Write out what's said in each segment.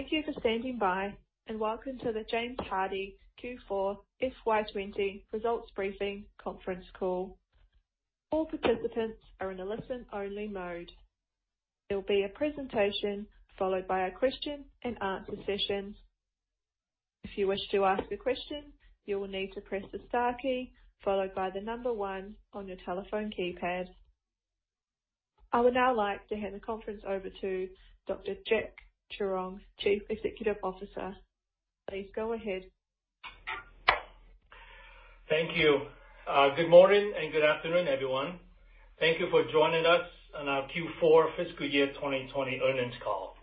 Thank you for standing by, and welcome to the James Hardie Q4 FY 2020 results briefing conference call. All participants are in a listen-only mode. There will be a presentation followed by a question and answer session. If you wish to ask a question, you will need to press the star key followed by the number one on your telephone keypad. I would now like to hand the conference over to Dr. Jack Truong, Chief Executive Officer. Please go ahead. Thank you. Good morning and good afternoon, everyone. Thank you for joining us on our Q4 fiscal year 2020 earnings call.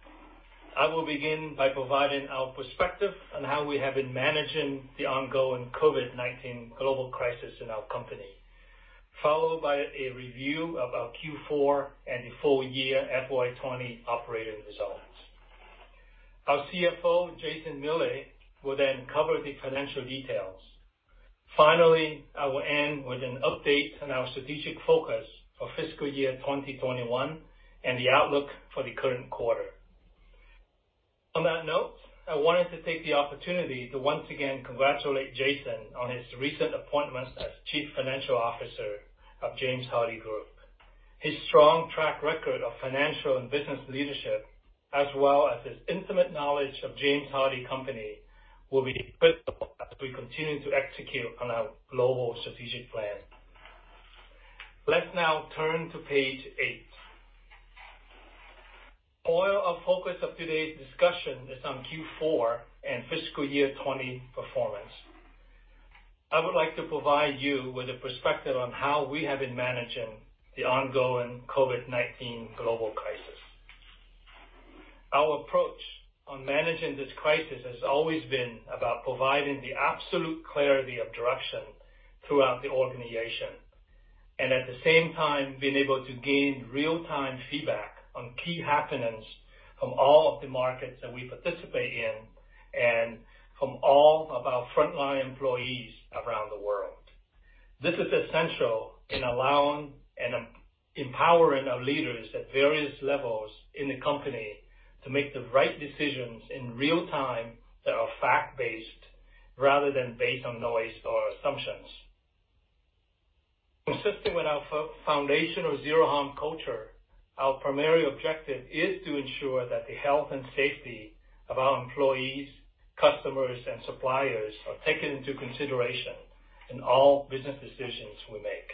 I will begin by providing our perspective on how we have been managing the ongoing COVID-19 global crisis in our company, followed by a review of our Q4 and the full year FY 2020 operating results. Our CFO, Jason Miele, will then cover the financial details. Finally, I will end with an update on our strategic focus for fiscal year 2021, and the outlook for the current quarter. On that note, I wanted to take the opportunity to once again congratulate Jason on his recent appointment as Chief Financial Officer of James Hardie. His strong track record of financial and business leadership, as well as his intimate knowledge of James Hardie company, will be critical as we continue to execute on our global strategic plan. Let's now turn to page eight. While our focus of today's discussion is on Q4 and fiscal year 2020 performance, I would like to provide you with a perspective on how we have been managing the ongoing COVID-19 global crisis. Our approach on managing this crisis has always been about providing the absolute clarity of direction throughout the organization, and at the same time, being able to gain real-time feedback on key happenings from all of the markets that we participate in and from all of our frontline employees around the world. This is essential in allowing and empowering our leaders at various levels in the company to make the right decisions in real time that are fact-based, rather than based on noise or assumptions. Consistent with our foundational Zero Harm culture, our primary objective is to ensure that the health and safety of our employees, customers, and suppliers are taken into consideration in all business decisions we make.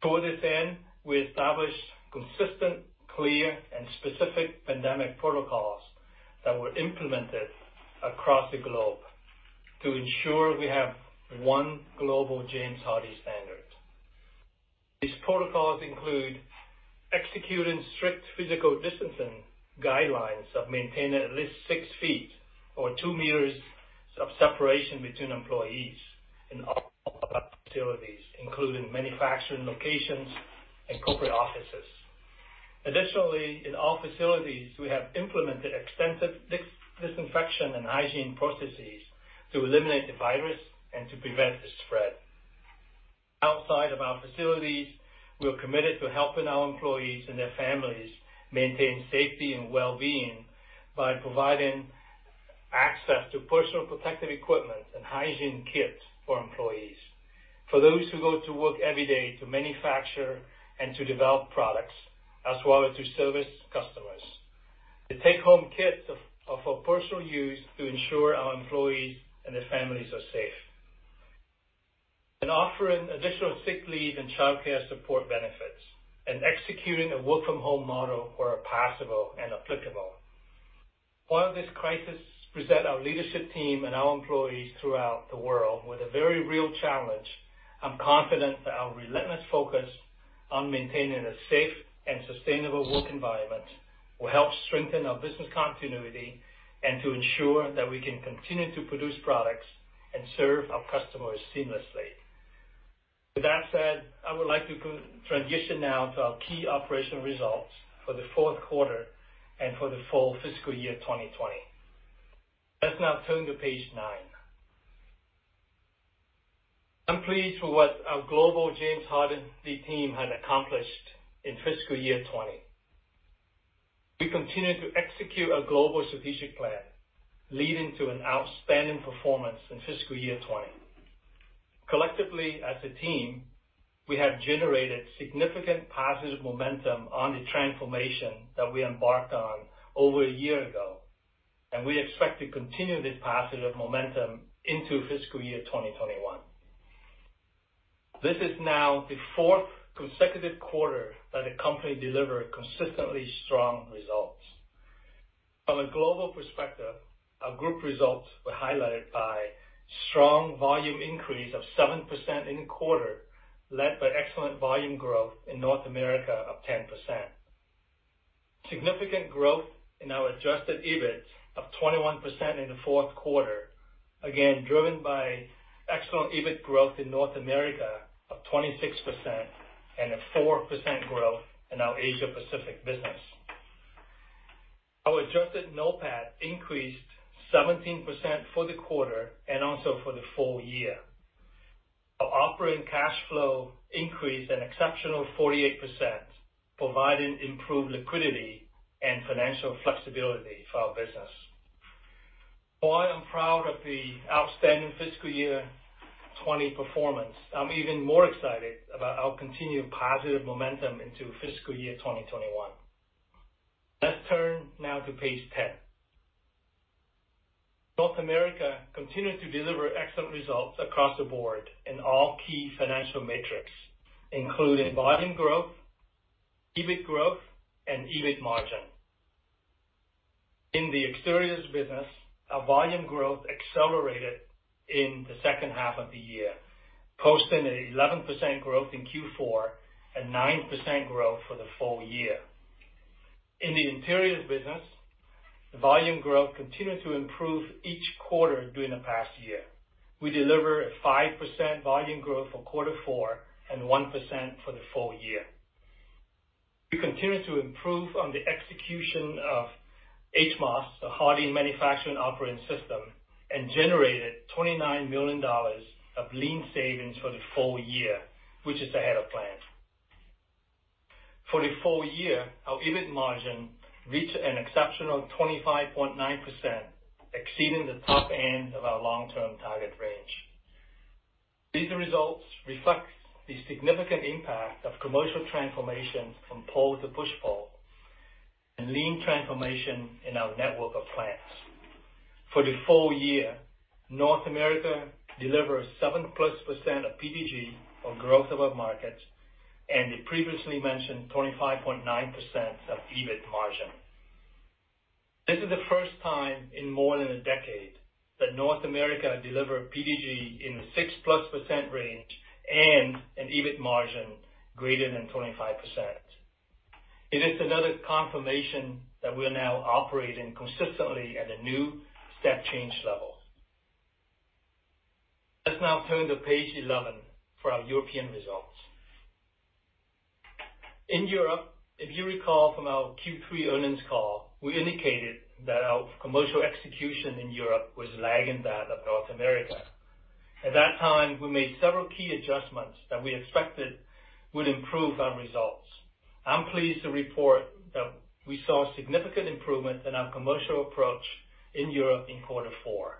Toward this end, we established consistent, clear, and specific pandemic protocols that were implemented across the globe to ensure we have one global James Hardie standard. These protocols include executing strict physical distancing guidelines of maintaining at least six feet or two meters of separation between employees in all of our facilities, including manufacturing locations and corporate offices. Additionally, in all facilities, we have implemented extensive disinfection and hygiene processes to eliminate the virus and to prevent the spread. Outside of our facilities, we are committed to helping our employees and their families maintain safety and well-being by providing access to personal protective equipment and hygiene kits for employees. For those who go to work every day to manufacture and to develop products, as well as to service customers, the take-home kits are for personal use to ensure our employees and their families are safe, and offering additional sick leave and childcare support benefits, and executing a work-from-home model where possible and applicable. While this crisis presents our leadership team and our employees throughout the world with a very real challenge, I'm confident that our relentless focus on maintaining a safe and sustainable work environment will help strengthen our business continuity and to ensure that we can continue to produce products and serve our customers seamlessly. With that said, I would like to transition now to our key operational results for the fourth quarter and for the full fiscal year 2020. Let's now turn to page nine. I'm pleased with what our global James Hardie team has accomplished in fiscal year 2020. We continued to execute a global strategic plan, leading to an outstanding performance in fiscal year 2020. Collectively, as a team, we have generated significant positive momentum on the transformation that we embarked on over a year ago, and we expect to continue this positive momentum into fiscal year 2021. This is now the fourth consecutive quarter that the company delivered consistently strong results. From a global perspective, our group results were highlighted by strong volume increase of 7% in the quarter, led by excellent volume growth in North America of 10%. Significant growth in our Adjusted EBIT of 21% in the fourth quarter, again, driven by excellent EBIT growth in North America of 26% and a 4% growth in our Asia Pacific business. Our Adjusted NOPAT increased 17% for the quarter and also for the full year. Our operating cash flow increased an exceptional 48%, providing improved liquidity and financial flexibility for our business. While I am proud of the outstanding fiscal year 2020 performance, I'm even more excited about our continued positive momentum into fiscal year 2021. Let's turn now to page 10. North America continues to deliver excellent results across the board in all key financial metrics, including volume growth, EBIT growth, and EBIT margin. In the Exteriors business, our volume growth accelerated in the second half of the year, posting an 11% growth in Q4 and 9% growth for the full year. In the Interiors business, the volume growth continued to improve each quarter during the past year. We delivered 5% volume growth for quarter four and 1% for the full year. We continued to improve on the execution of HMOS, the Hardie Manufacturing Operating System, and generated $29 million of Lean savings for the full year, which is ahead of plan. For the full year, our EBIT margin reached an exceptional 25.9%, exceeding the top end of our long-term target range. These results reflect the significant impact of commercial transformation from pull to push/pull and Lean transformation in our network of plants. For the full year, North America delivered 7%+ of PDG or growth of our markets, and the previously mentioned 25.9% of EBIT margin. This is the first time in more than a decade that North America delivered PDG in the 6%+ range and an EBIT margin greater than 25%. It is another confirmation that we are now operating consistently at a new step change level. Let's now turn to page 11 for our European results. In Europe, if you recall from our Q3 earnings call, we indicated that our commercial execution in Europe was lagging that of North America. At that time, we made several key adjustments that we expected would improve our results. I'm pleased to report that we saw significant improvement in our commercial approach in Europe in quarter four.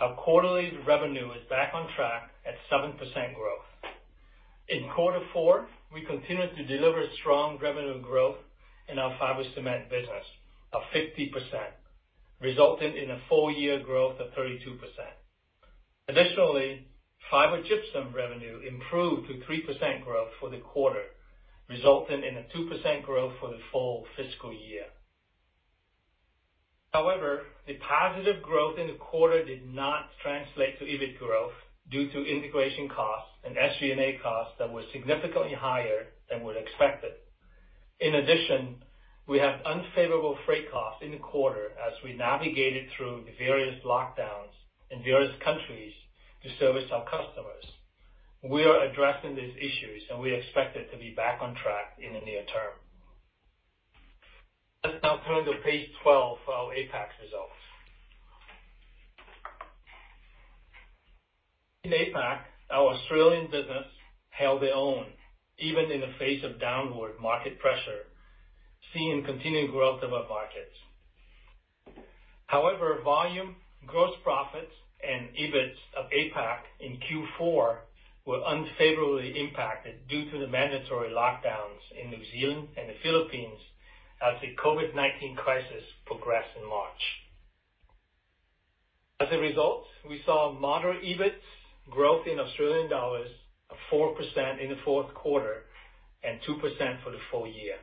Our quarterly revenue is back on track at 7% growth. In quarter four, we continued to deliver strong revenue growth in our fiber cement business of 50%, resulting in a full year growth of 32%. Additionally, fiber gypsum revenue improved to 3% growth for the quarter, resulting in a 2% growth for the full fiscal year. However, the positive growth in the quarter did not translate to EBIT growth due to integration costs and SG&A costs that were significantly higher than were expected. In addition, we have unfavorable freight costs in the quarter as we navigated through the various lockdowns in various countries to service our customers. We are addressing these issues, and we expect it to be back on track in the near term. Let's now turn to page twelve for our APAC results. In APAC, our Australian business held their own, even in the face of downward market pressure, seeing continued growth of our markets. However, volume, gross profits, and EBIT of APAC in Q4 were unfavorably impacted due to the mandatory lockdowns in New Zealand and the Philippines as the COVID-19 crisis progressed in March. As a result, we saw a moderate EBIT growth in Australian dollars of 4% in the fourth quarter and 2% for the full year.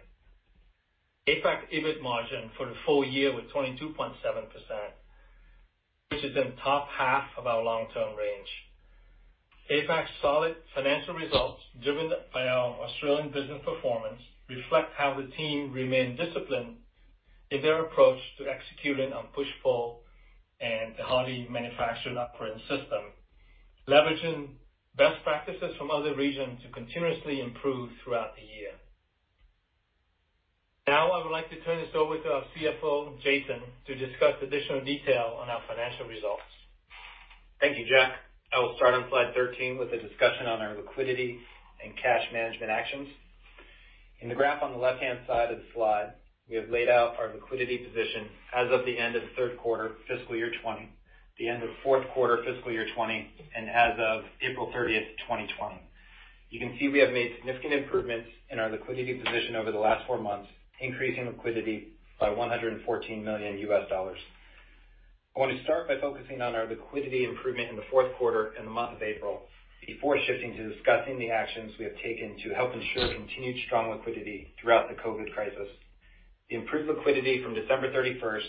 APAC EBIT margin for the full year was 22.7%, which is in the top half of our long-term range. APAC's solid financial results, driven by our Australian business performance, reflect how the team remained disciplined in their approach to executing on push/pull and the Hardie Manufacturing Operating System, leveraging best practices from other regions to continuously improve throughout the year. Now, I would like to turn this over to our CFO, Jason, to discuss additional detail on our financial results. Thank you, Jack. I will start on slide 13 with a discussion on our liquidity and cash management actions. In the graph on the left-hand side of the slide, we have laid out our liquidity position as of the end of the third quarter, fiscal year 2020, the end of fourth quarter, fiscal year 2020, and as of April 30th, 2020. You can see we have made significant improvements in our liquidity position over the last four months, increasing liquidity by $114 million. I want to start by focusing on our liquidity improvement in the fourth quarter and the month of April before shifting to discussing the actions we have taken to help ensure continued strong liquidity throughout the COVID crisis. The improved liquidity from December 31st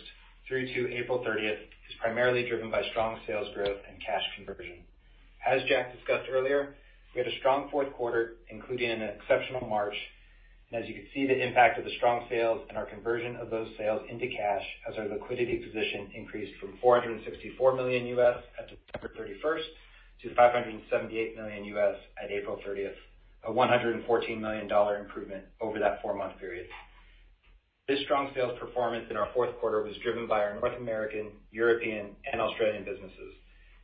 through to April 30th is primarily driven by strong sales growth and cash conversion. As Jack discussed earlier, we had a strong fourth quarter, including an exceptional March, and as you can see, the impact of the strong sales and our conversion of those sales into cash as our liquidity position increased from $464 million at December 31st to $578 million at April 30th, a $114 million improvement over that four-month period. This strong sales performance in our fourth quarter was driven by our North American, European, and Australian businesses.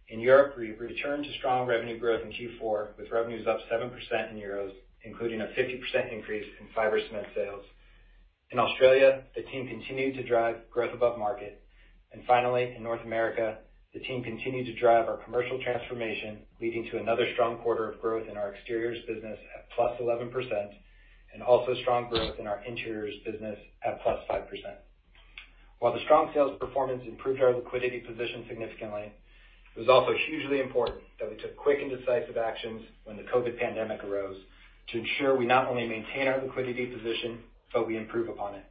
In Europe, we returned to strong revenue growth in Q4, with revenues up 7% in euros, including a 50% increase in fiber cement sales. In Australia, the team continued to drive growth above market. Finally, in North America, the team continued to drive our commercial transformation, leading to another strong quarter of growth in our exteriors business at +11%, and also strong growth in our interiors business at +5%. While the strong sales performance improved our liquidity position significantly, it was also hugely important that we took quick and decisive actions when the COVID pandemic arose, to ensure we not only maintain our liquidity position, but we improve upon it.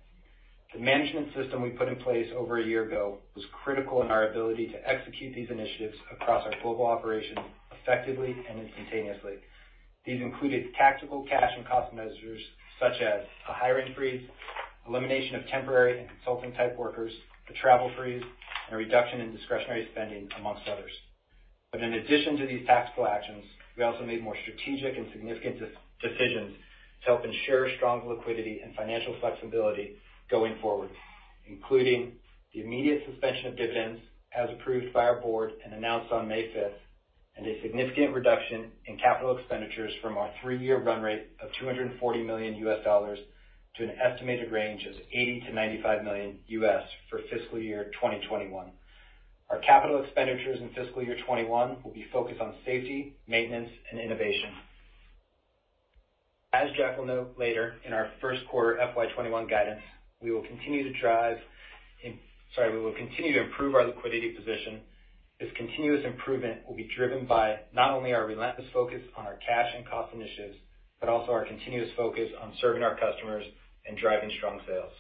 The management system we put in place over a year ago was critical in our ability to execute these initiatives across our global operations effectively and instantaneously. These included tactical cash and cost measures, such as a hiring freeze, elimination of temporary and consulting-type workers, a travel freeze, and a reduction in discretionary spending, among others. But in addition to these tactical actions, we also made more strategic and significant decisions to help ensure strong liquidity and financial flexibility going forward, including the immediate suspension of dividends as approved by our board and announced on May 5th, and a significant reduction in capital expenditures from our three-year run rate of $240 million to an estimated range of $80-$95 million for fiscal year 2021. Our capital expenditures in fiscal year 2021 will be focused on safety, maintenance, and innovation. As Jack will note later in our first quarter FY 2021 guidance, we will continue to improve our liquidity position. This continuous improvement will be driven by not only our relentless focus on our cash and cost initiatives, but also our continuous focus on serving our customers and driving strong sales.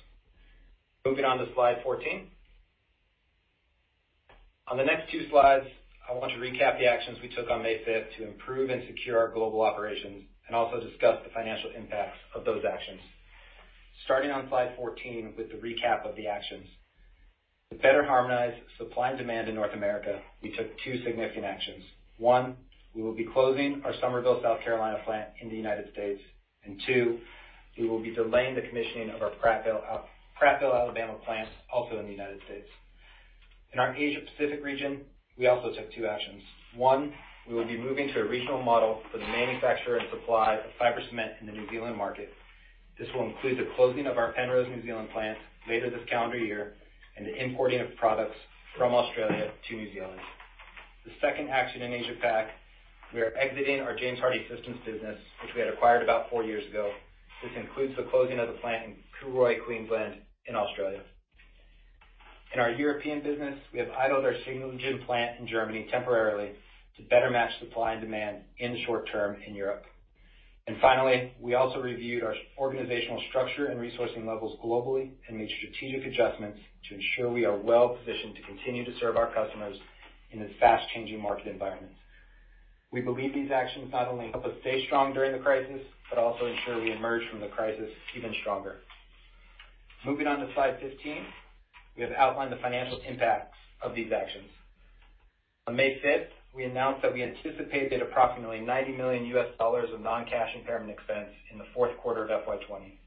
Moving on to slide 14. On the next two slides, I want to recap the actions we took on May 5th to improve and secure our global operations, and also discuss the financial impacts of those actions. Starting on slide 14 with the recap of the actions. To better harmonize supply and demand in North America, we took two significant actions. One, we will be closing our Summerville, South Carolina plant in the United States, and two, we will be delaying the commissioning of our Prattville, Alabama plant, also in the United States. In our Asia Pacific region, we also took two actions. One, we will be moving to a regional model for the manufacture and supply of fiber cement in the New Zealand market. This will include the closing of our Penrose, New Zealand plant later this calendar year, and the importing of products from Australia to New Zealand. The second action in Asia Pac, we are exiting our James Hardie Systems business, which we had acquired about four years ago. This includes the closing of the plant in Cooroy, Queensland, in Australia. In our European business, we have idled our Siglingen plant in Germany temporarily to better match supply and demand in the short term in Europe. And finally, we also reviewed our organizational structure and resourcing levels globally and made strategic adjustments to ensure we are well positioned to continue to serve our customers in this fast-changing market environment. We believe these actions not only help us stay strong during the crisis, but also ensure we emerge from the crisis even stronger. Moving on to slide 15, we have outlined the financial impacts of these actions. On May 5th, we announced that we anticipated approximately $90 million of non-cash impairment expense in the fourth quarter of FY 2020.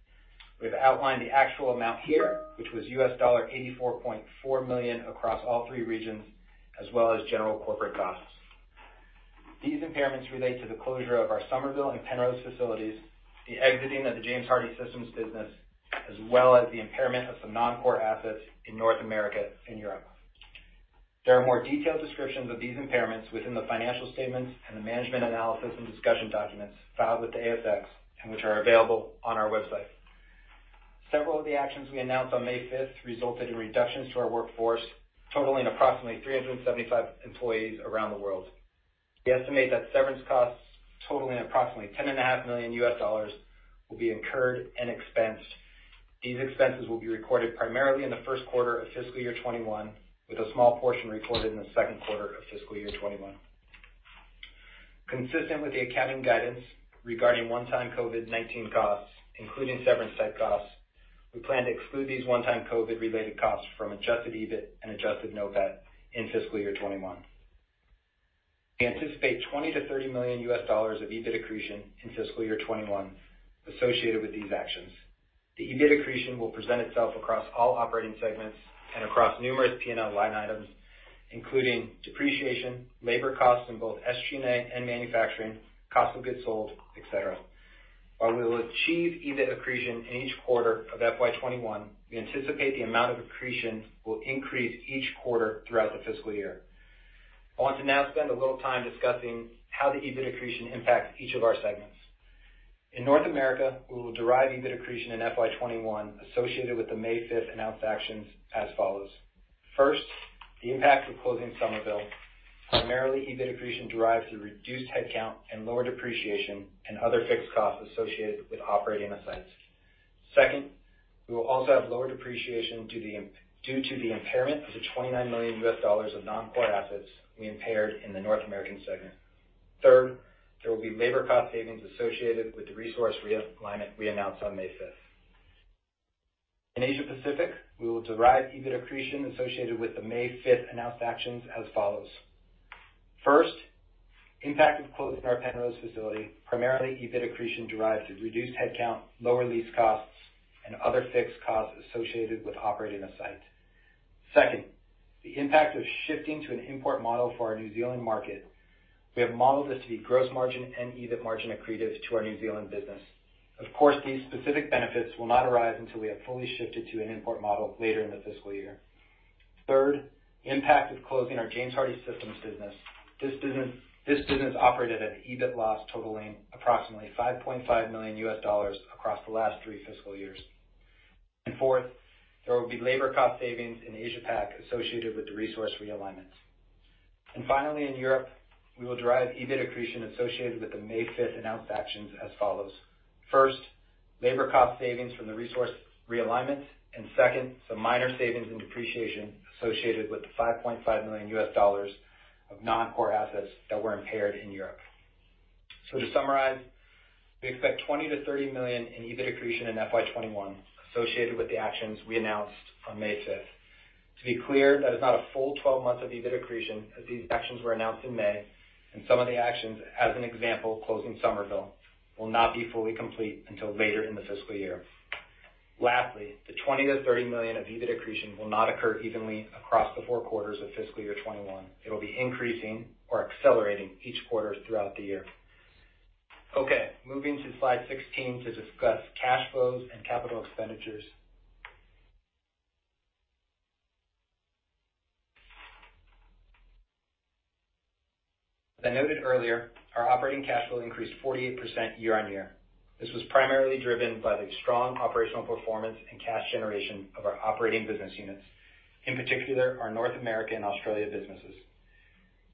We've outlined the actual amount here, which was $84.4 million across all three regions, as well as general corporate costs. These impairments relate to the closure of our Summerville and Penrose facilities, the exiting of the James Hardie Systems business, as well as the impairment of some non-core assets in North America and Europe. There are more detailed descriptions of these impairments within the financial statements and the management analysis and discussion documents filed with the ASX, and which are available on our website. Several of the actions we announced on May 5th resulted in reductions to our workforce, totaling approximately 375 employees around the world. We estimate that severance costs totaling approximately $10.5 million will be incurred and expensed. These expenses will be recorded primarily in the first quarter of fiscal year 2021, with a small portion recorded in the second quarter of fiscal year 2021. Consistent with the accounting guidance regarding one-time COVID-19 costs, including severance-type costs, we plan to exclude these one-time COVID-related costs from Adjusted EBIT and Adjusted NOPAT in fiscal year 2021. We anticipate $20-$30 million of EBIT accretion in fiscal year 2021 associated with these actions. The EBIT accretion will present itself across all operating segments and across numerous P&L line items, including depreciation, labor costs in both SG&A and manufacturing, cost of goods sold, et cetera. While we will achieve EBIT accretion in each quarter of FY 2021, we anticipate the amount of accretion will increase each quarter throughout the fiscal year. I want to now spend a little time discussing how the EBIT accretion impacts each of our segments. In North America, we will derive EBIT accretion in FY 2021, associated with the May 5th announced actions as follows: First, the impact of closing Summerville, primarily EBIT accretion derives through reduced headcount and lower depreciation and other fixed costs associated with operating the sites. Second, we will also have lower depreciation due to the impairment of the $29 million of non-core assets we impaired in the North American segment. Third, there will be labor cost savings associated with the resource realignment we announced on May 5th. In Asia Pacific, we will derive EBIT accretion associated with the May 5th announced actions as follows. First, impact of closing our Penrose facility, primarily EBIT accretion derives to reduced headcount, lower lease costs, and other fixed costs associated with operating a site. Second, the impact of shifting to an import model for our New Zealand market. We have modeled this to be gross margin and EBIT margin accretive to our New Zealand business. Of course, these specific benefits will not arise until we have fully shifted to an import model later in the fiscal year. Third, impact of closing our James Hardie Systems business. This business operated at an EBIT loss totaling approximately $5.5 million across the last three fiscal years. And fourth, there will be labor cost savings in Asia Pac associated with the resource realignments. And finally, in Europe, we will derive EBIT accretion associated with the May fifth announced actions as follows: First, labor cost savings from the resource realignment, and second, some minor savings and depreciation associated with the $5.5 million of non-core assets that were impaired in Europe. So to summarize, we expect 20-30 million in EBIT accretion in FY 2021 associated with the actions we announced on May 5th. To be clear, that is not a full twelve months of EBIT accretion, as these actions were announced in May, and some of the actions, as an example, closing Summerville, will not be fully complete until later in the fiscal year. Lastly, the 20-30 million of EBIT accretion will not occur evenly across the four quarters of fiscal year 2021. It will be increasing or accelerating each quarter throughout the year. Okay, moving to slide 16 to discuss cash flows and capital expenditures. As I noted earlier, our operating cash flow increased 48% year-on-year. This was primarily driven by the strong operational performance and cash generation of our operating business units, in particular, our North American and Australia businesses.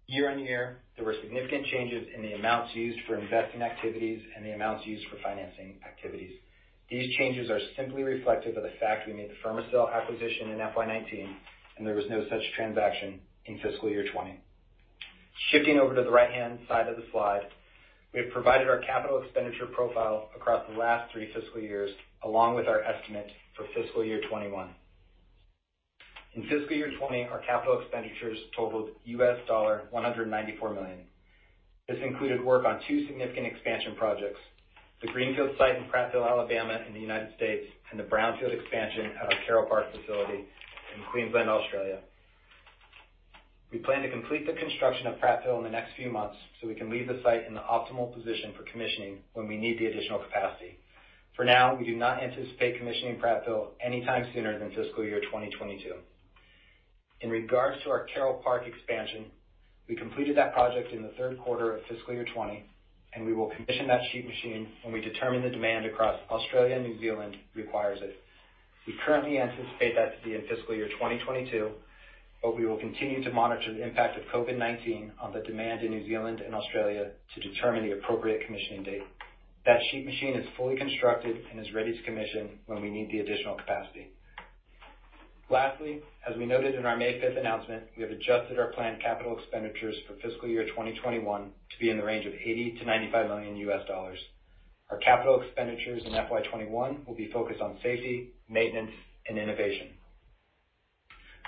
Year-on-year, there were significant changes in the amounts used for investing activities and the amounts used for financing activities. These changes are simply reflective of the fact we made the Fermacell acquisition in FY 2019, and there was no such transaction in fiscal year 2020. Shifting over to the right-hand side of the slide, we have provided our capital expenditure profile across the last three fiscal years, along with our estimate for fiscal year 2021. In fiscal year 2020, our capital expenditures totaled $194 million. This included work on two significant expansion projects: the Greenfield site in Prattville, Alabama, in the United States, and the Brownfield expansion at our Carroll Park facility in Queensland, Australia. We plan to complete the construction of Prattville in the next few months, so we can leave the site in the optimal position for commissioning when we need the additional capacity. For now, we do not anticipate commissioning Prattville anytime sooner than fiscal year 2022. In regard to our Carroll Park expansion, we completed that project in the third quarter of fiscal year 2020, and we will commission that sheet machine when we determine the demand across Australia and New Zealand requires it. We currently anticipate that to be in fiscal year 2022, but we will continue to monitor the impact of COVID-19 on the demand in New Zealand and Australia to determine the appropriate commissioning date. That sheet machine is fully constructed and is ready to commission when we need the additional capacity. Lastly, as we noted in our May 5th announcement, we have adjusted our planned capital expenditures for fiscal year 2021 to be in the range of $80-$95 million. Our capital expenditures in FY 2021 will be focused on safety, maintenance, and innovation.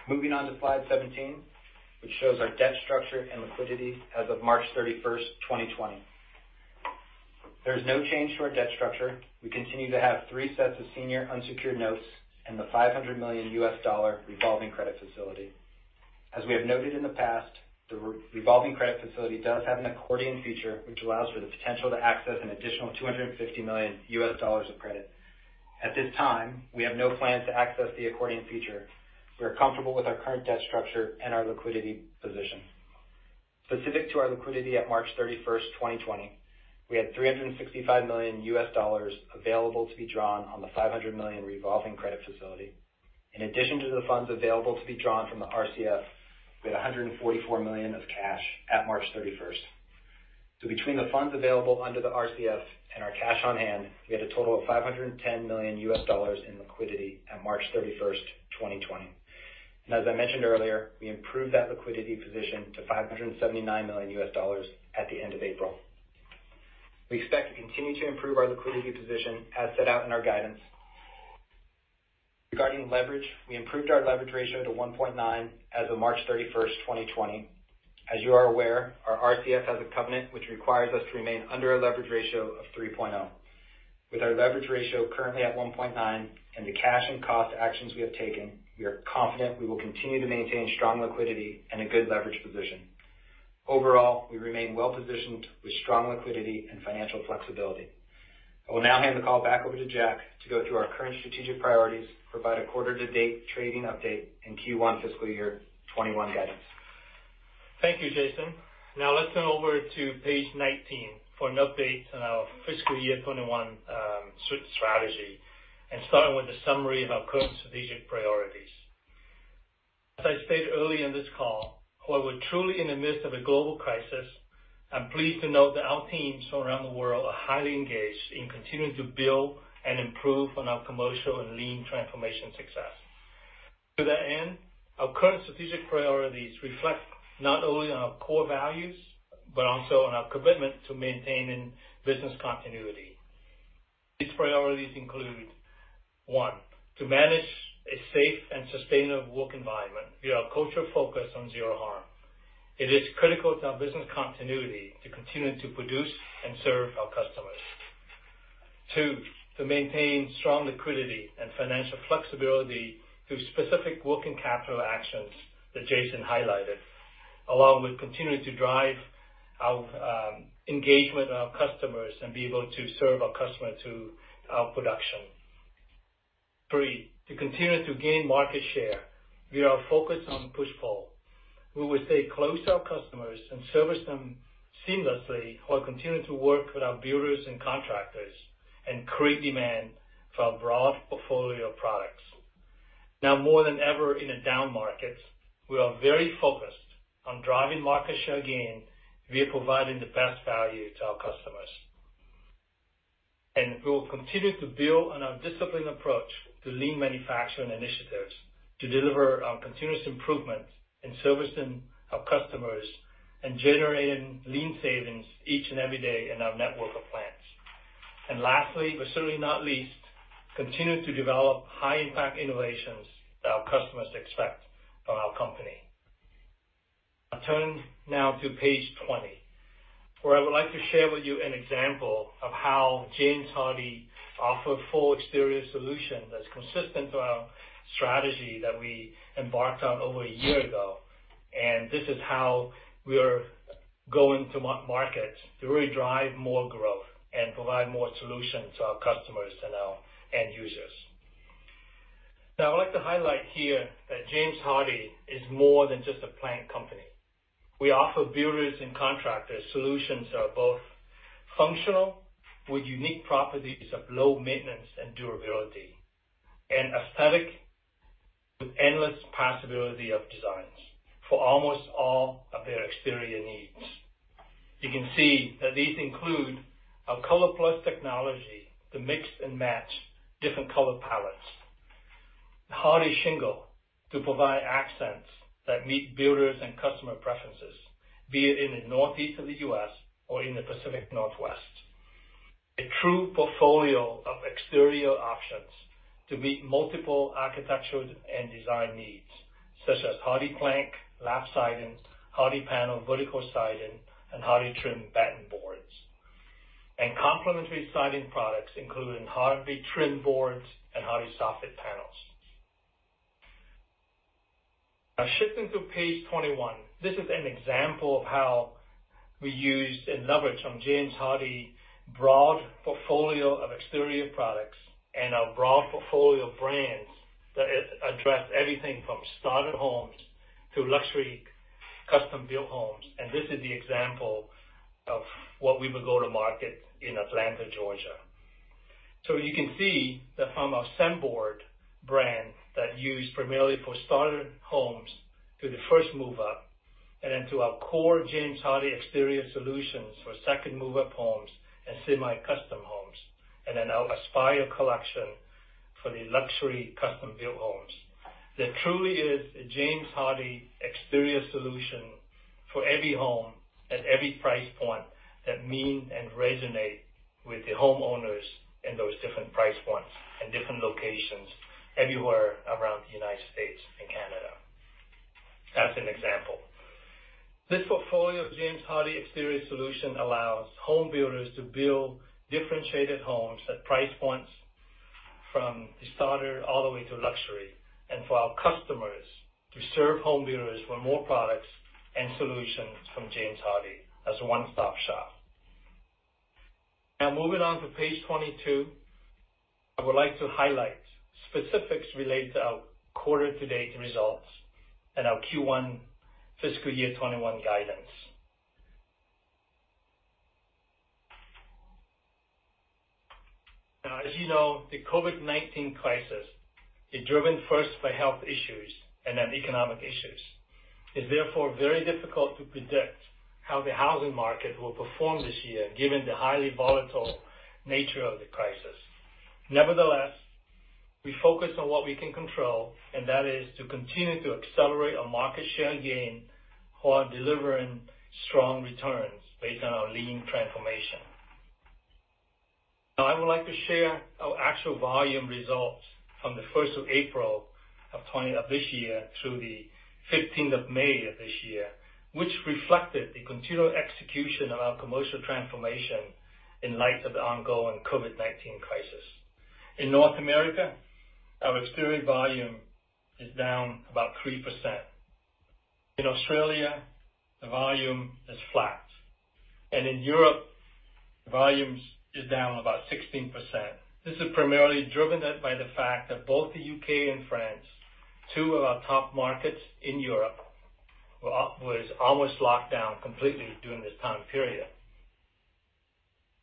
Moving on to slide 17, which shows our debt structure and liquidity as of March 31, 2020. There is no change to our debt structure. We continue to have three sets of senior unsecured notes and the $500 million revolving credit facility. As we have noted in the past, the revolving credit facility does have an accordion feature, which allows for the potential to access an additional $250 million of credit. At this time, we have no plans to access the accordion feature. We are comfortable with our current debt structure and our liquidity position. Specific to our liquidity at March 31, 2020, we had $365 million available to be drawn on the $500 million revolving credit facility. In addition to the funds available to be drawn from the RCF, we had $144 million of cash at March thirty-first, so between the funds available under the RCF and our cash on hand, we had a total of $510 million in liquidity at March thirty-first, 2020, and as I mentioned earlier, we improved that liquidity position to $579 million at the end of April. We expect to continue to improve our liquidity position as set out in our guidance. Regarding leverage, we improved our leverage ratio to 1.9 as of March 31st, 2020. As you are aware, our RCF has a covenant, which requires us to remain under a leverage ratio of 3.0. With our leverage ratio currently at 1.9 and the cash and cost actions we have taken, we are confident we will continue to maintain strong liquidity and a good leverage position. Overall, we remain well positioned with strong liquidity and financial flexibility. I will now hand the call back over to Jack to go through our current strategic priorities, provide a quarter to date trading update and Q1 fiscal year 2021 guidance. Thank you, Jason. Now let's turn over to page 19 for an update on our fiscal year 2021 strategy, and starting with a summary of our current strategic priorities. As I stated earlier in this call, while we're truly in the midst of a global crisis, I'm pleased to note that our teams from around the world are highly engaged in continuing to build and improve on our commercial and Lean transformation success. To that end, our current strategic priorities reflect not only on our core values, but also on our commitment to maintaining business continuity. These priorities include, one, to manage a safe and sustainable work environment via our culture focus on Zero Harm. It is critical to our business continuity to continue to produce and serve our customers. Two, to maintain strong liquidity and financial flexibility through specific working capital actions that Jason highlighted, along with continuing to drive our engagement with our customers and be able to serve our customers through our production. Three, to continue to gain market share via our focus on push-pull. We will stay close to our customers and service them seamlessly, while continuing to work with our builders and contractors and create demand for our broad portfolio of products. Now, more than ever in a down market, we are very focused on driving market share gain via providing the best value to our customers. And we will continue to build on our disciplined approach to Lean manufacturing initiatives to deliver on continuous improvement in servicing our customers and generating Lean savings each and every day in our network of plants. Lastly, but certainly not least, continue to develop high impact innovations that our customers expect from our company. I turn now to page 20, where I would like to share with you an example of how James Hardie offers a full exterior solution that's consistent to our strategy that we embarked on over a year ago. This is how we are going to market, to really drive more growth and provide more solutions to our customers and our end users. Now, I'd like to highlight here that James Hardie is more than just a plank company. We offer builders and contractors solutions that are both functional, with unique properties of low maintenance and durability, and aesthetic, with endless possibility of designs for almost all of their exterior needs. You can see that these include our ColorPlus Technology to mix and match different color palettes. HardieShingle, to provide accents that meet builders and customer preferences, be it in the Northeast of the U.S. or in the Pacific Northwest. A true portfolio of exterior options to meet multiple architectural and design needs, such as HardiePlank lap siding, HardiePanel vertical siding, and HardieTrim batten boards, and complementary siding products, including HardieTrim boards and HardieSoffit panels. Now, shifting to page 21. This is an example of how we used and leveraged on James Hardie broad portfolio of exterior products and our broad portfolio of brands, that address everything from starter homes to luxury custom-built homes, and this is the example of what we would go to market in Atlanta, Georgia. So you can see that from our Cemplank brand that used primarily for starter homes to the first move up, and then to our core James Hardie exterior solutions for second move-up homes and semi-custom homes, and then our Aspyre Collection for the luxury custom-built homes. There truly is a James Hardie exterior solution for every home at every price point, that mean and resonate with the homeowners in those different price points and different locations everywhere around the United States and Canada. That's an example. This portfolio of James Hardie exterior solution allows home builders to build differentiated homes at price points from the starter all the way to luxury, and for our customers to serve home builders with more products and solutions from James Hardie as a one-stop shop. Now, moving on to page 22, I would like to highlight specifics related to our quarter-to-date results and our Q1 fiscal year 2021 guidance. Now, as you know, the COVID-19 crisis is driven first by health issues and then economic issues. It's therefore very difficult to predict how the housing market will perform this year, given the highly volatile nature of the crisis. Nevertheless, we focus on what we can control, and that is to continue to accelerate our market share gain while delivering strong returns based on our Lean transformation. Now, I would like to share our actual volume results from the first of April of 2020, through the 15th of May of 2020, which reflected the continued execution of our commercial transformation in light of the ongoing COVID-19 crisis. In North America, our exterior volume is down about 3%. In Australia, the volume is flat, and in Europe, volumes is down about 16%. This is primarily driven by the fact that both the U.K. and France, two of our top markets in Europe, were almost locked down completely during this time period.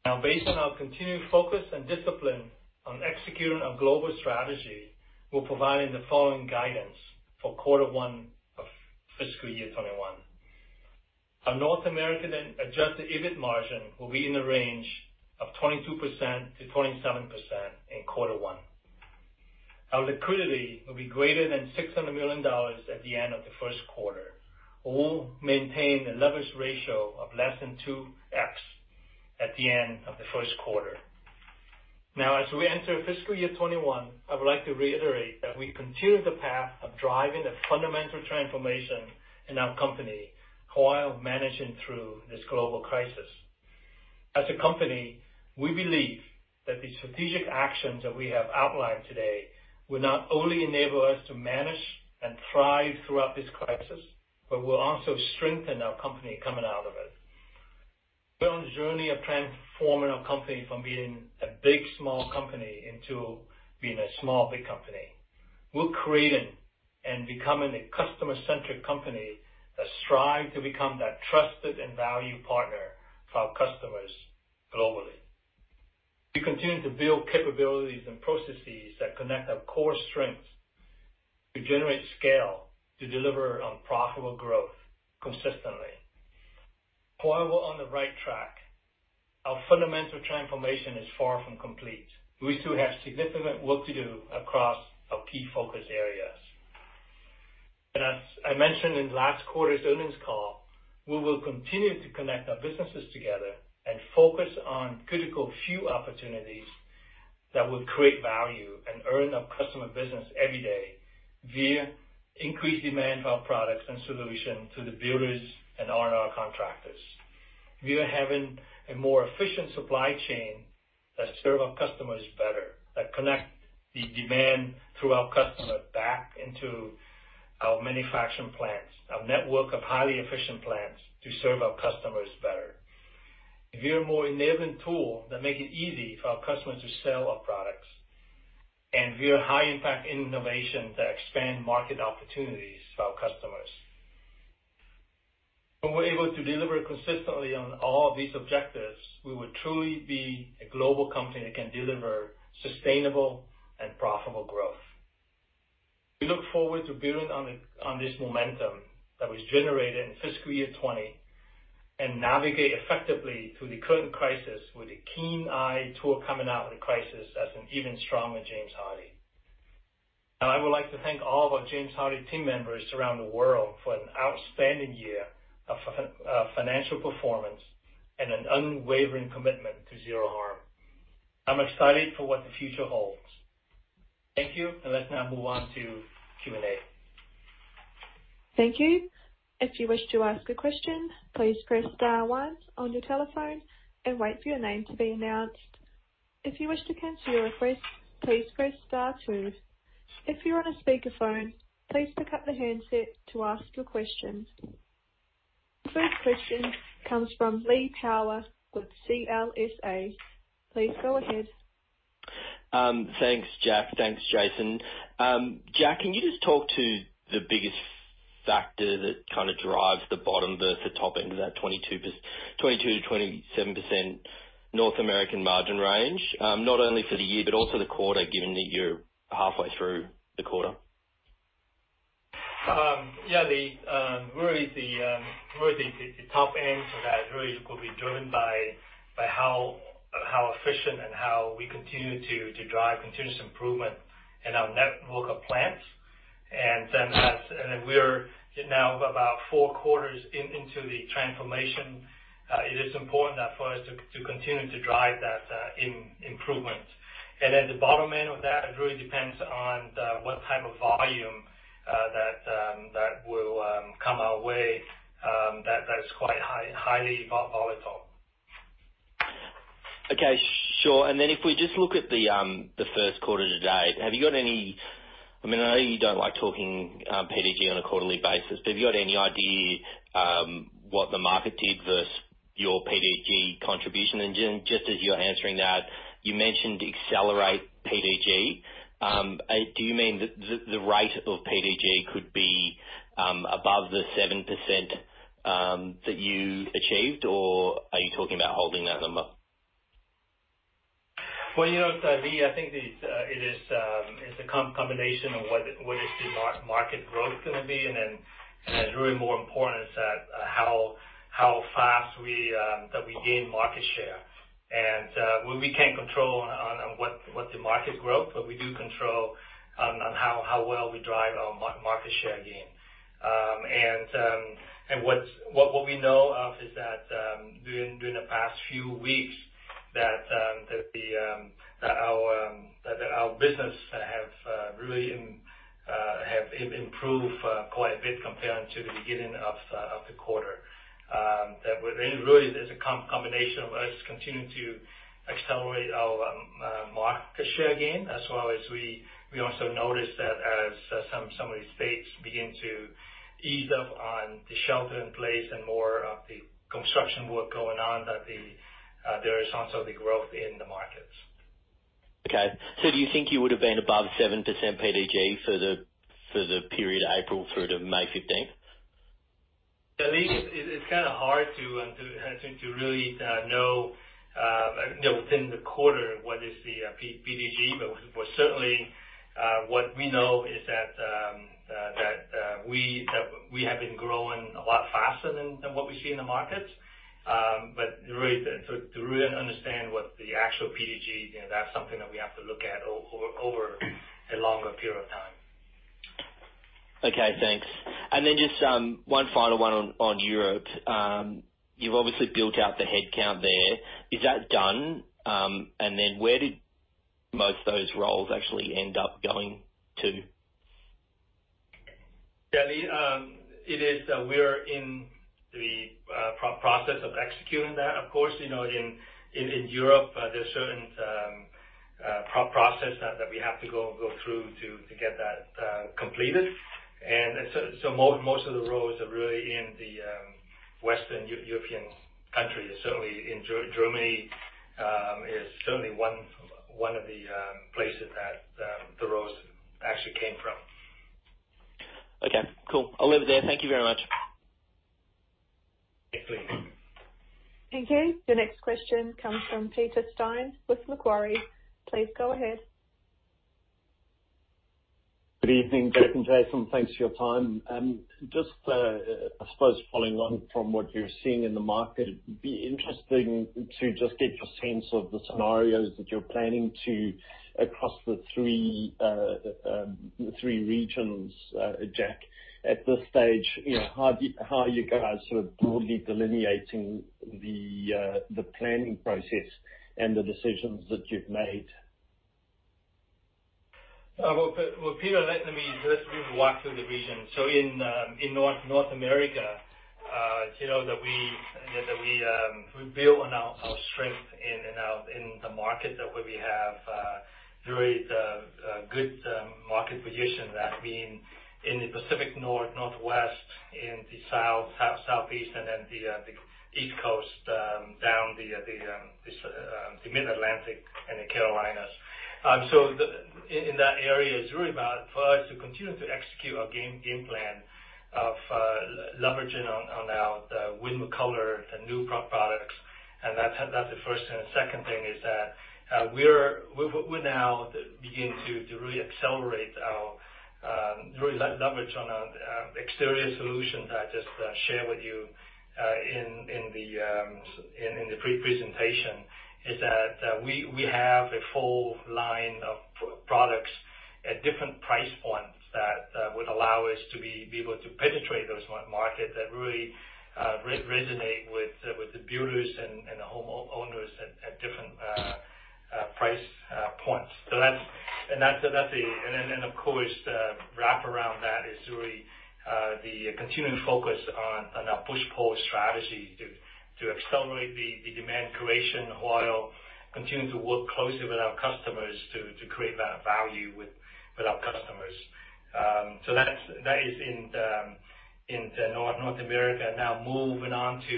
Now, based on our continued focus and discipline on executing our global strategy, we're providing the following guidance for quarter one of fiscal year 2021. Our North America Adjusted EBIT margin will be in the range of 22%-27% in quarter one. Our liquidity will be greater than $600 million at the end of the first quarter. We'll maintain a leverage ratio of less than 2x at the end of the first quarter. Now, as we enter fiscal year 2021, I would like to reiterate that we continue the path of driving a fundamental transformation in our company, while managing through this global crisis. As a company, we believe that the strategic actions that we have outlined today will not only enable us to manage and thrive throughout this crisis, but will also strengthen our company coming out of it. We're on a journey of transforming our company from being a big, small company into being a small, big company. We're creating and becoming a customer-centric company that strive to become that trusted and valued partner for our customers globally. We continue to build capabilities and processes that connect our core strengths to generate scale, to deliver on profitable growth consistently. While we're on the right track, our fundamental transformation is far from complete. We still have significant work to do across our key focus areas, and as I mentioned in last quarter's earnings call, we will continue to connect our businesses together and focus on critical few opportunities that will create value and earn our customer business every day via increased demand for our products and solution to the builders and R&R contractors. We are having a more efficient supply chain that serve our customers better, that connect the demand through our customer back into our manufacturing plants, our network of highly efficient plants to serve our customers better. We have a more enabling tool that make it easy for our customers to sell our products, and we are high impact innovation that expand market opportunities for our customers. When we're able to deliver consistently on all of these objectives, we will truly be a global company that can deliver sustainable and profitable growth. We look forward to building on this momentum that was generated in fiscal year 2020, and navigate effectively through the current crisis with a keen eye toward coming out of the crisis as an even stronger James Hardie. Now, I would like to thank all of our James Hardie team members around the world for an outstanding year of financial performance and an unwavering commitment to zero harm. I'm excited for what the future holds. Thank you, and let's now move on to Q&A. Thank you. If you wish to ask a question, please press star one on your telephone and wait for your name to be announced. If you wish to cancel your request, please press star two. If you're on a speakerphone, please pick up the handset to ask your question. First question comes from Lee Power with CLSA. Please go ahead. Thanks, Jack. Thanks, Jason. Jack, can you just talk to the biggest factor that kind of drives the bottom versus the top end of that 22%-27% North American margin range? Not only for the year, but also the quarter, given that you're halfway through the quarter. Yeah, Lee, really the top end to that really will be driven by how efficient and how we continue to drive continuous improvement in our network of plants. And then we're now about four quarters into the transformation. It is important that for us to continue to drive that improvement. And then the bottom end of that, it really depends on what type of volume that will come our way, that is quite high, highly volatile. Okay, sure. And then if we just look at the first quarter to date, have you got any... I mean, I know you don't like talking PDG on a quarterly basis, but have you got any idea what the market did versus your PDG contribution? And then just as you're answering that, you mentioned accelerate PDG. Do you mean that the rate of PDG could be above the 7% that you achieved, or are you talking about holding that number? Well, you know, Lee, I think it is, it's a combination of what is the market growth gonna be, and then really more important is that how fast we gain market share. We can't control on what the market growth, but we do control on how well we drive our market share gain. What we know is that during the past few weeks, our business have really improved quite a bit compared to the beginning of the quarter. That really, really there's a combination of us continuing to accelerate our market share gain, as well as we also noticed that as some of the states begin to ease up on the shelter in place and more of the construction work going on, that there is also the growth in the markets. Okay. So do you think you would have been above 7% PDG for the, for the period April through to May 15th? Yeah, Lee, it's kind of hard to really know, you know, within the quarter, what the PDG is, but certainly what we know is that we have been growing a lot faster than what we see in the markets. But really, to really understand what the actual PDG is, you know, that's something that we have to look at over a longer period of time. Okay, thanks. And then just one final one on Europe. You've obviously built out the headcount there. Is that done? And then where did most of those roles actually end up going to? Yeah, it is, we're in the process of executing that. Of course, you know, in Europe, there's certain process that we have to go through to get that completed. And so most of the roles are really in the Western European countries, certainly in Germany is certainly one of the places that the roles actually came from. Okay, cool. I'll leave it there. Thank you very much. Thanks, Lee. Thank you. The next question comes from Peter Steyn with Macquarie. Please go ahead. Good evening, Jack and Jason. Thanks for your time. Just, I suppose following on from what you're seeing in the market, it'd be interesting to just get your sense of the scenarios that you're planning to... across the three regions, Jack. At this stage, you know, how do, how are you guys sort of broadly delineating the, the planning process and the decisions that you've made? Well, Peter, let me just walk through the regions. So in North America, you know, that we build on our strength in and out in the market, that where we have really a good market position. That being in the Pacific Northwest, in the Southeast, and then the East Coast down the Mid-Atlantic and the Carolinas. So in that area, it's really about for us to continue to execute our game plan of leveraging on our Win with Color and new products, and that's the first thing. The second thing is that, we're now beginning to really accelerate our really leverage on our exterior solutions that I just shared with you in the pre-presentation, is that we have a full line of products at different price points that would allow us to be able to penetrate those market that really resonate with the builders and the homeowners at different price points. So that's, and that's, so that's a. And then, and of course, the wraparound that is really the continuing focus on our push-pull strategy to accelerate the demand creation, while continuing to work closely with our customers to create that value with our customers. So that's that is in North America. Now, moving on to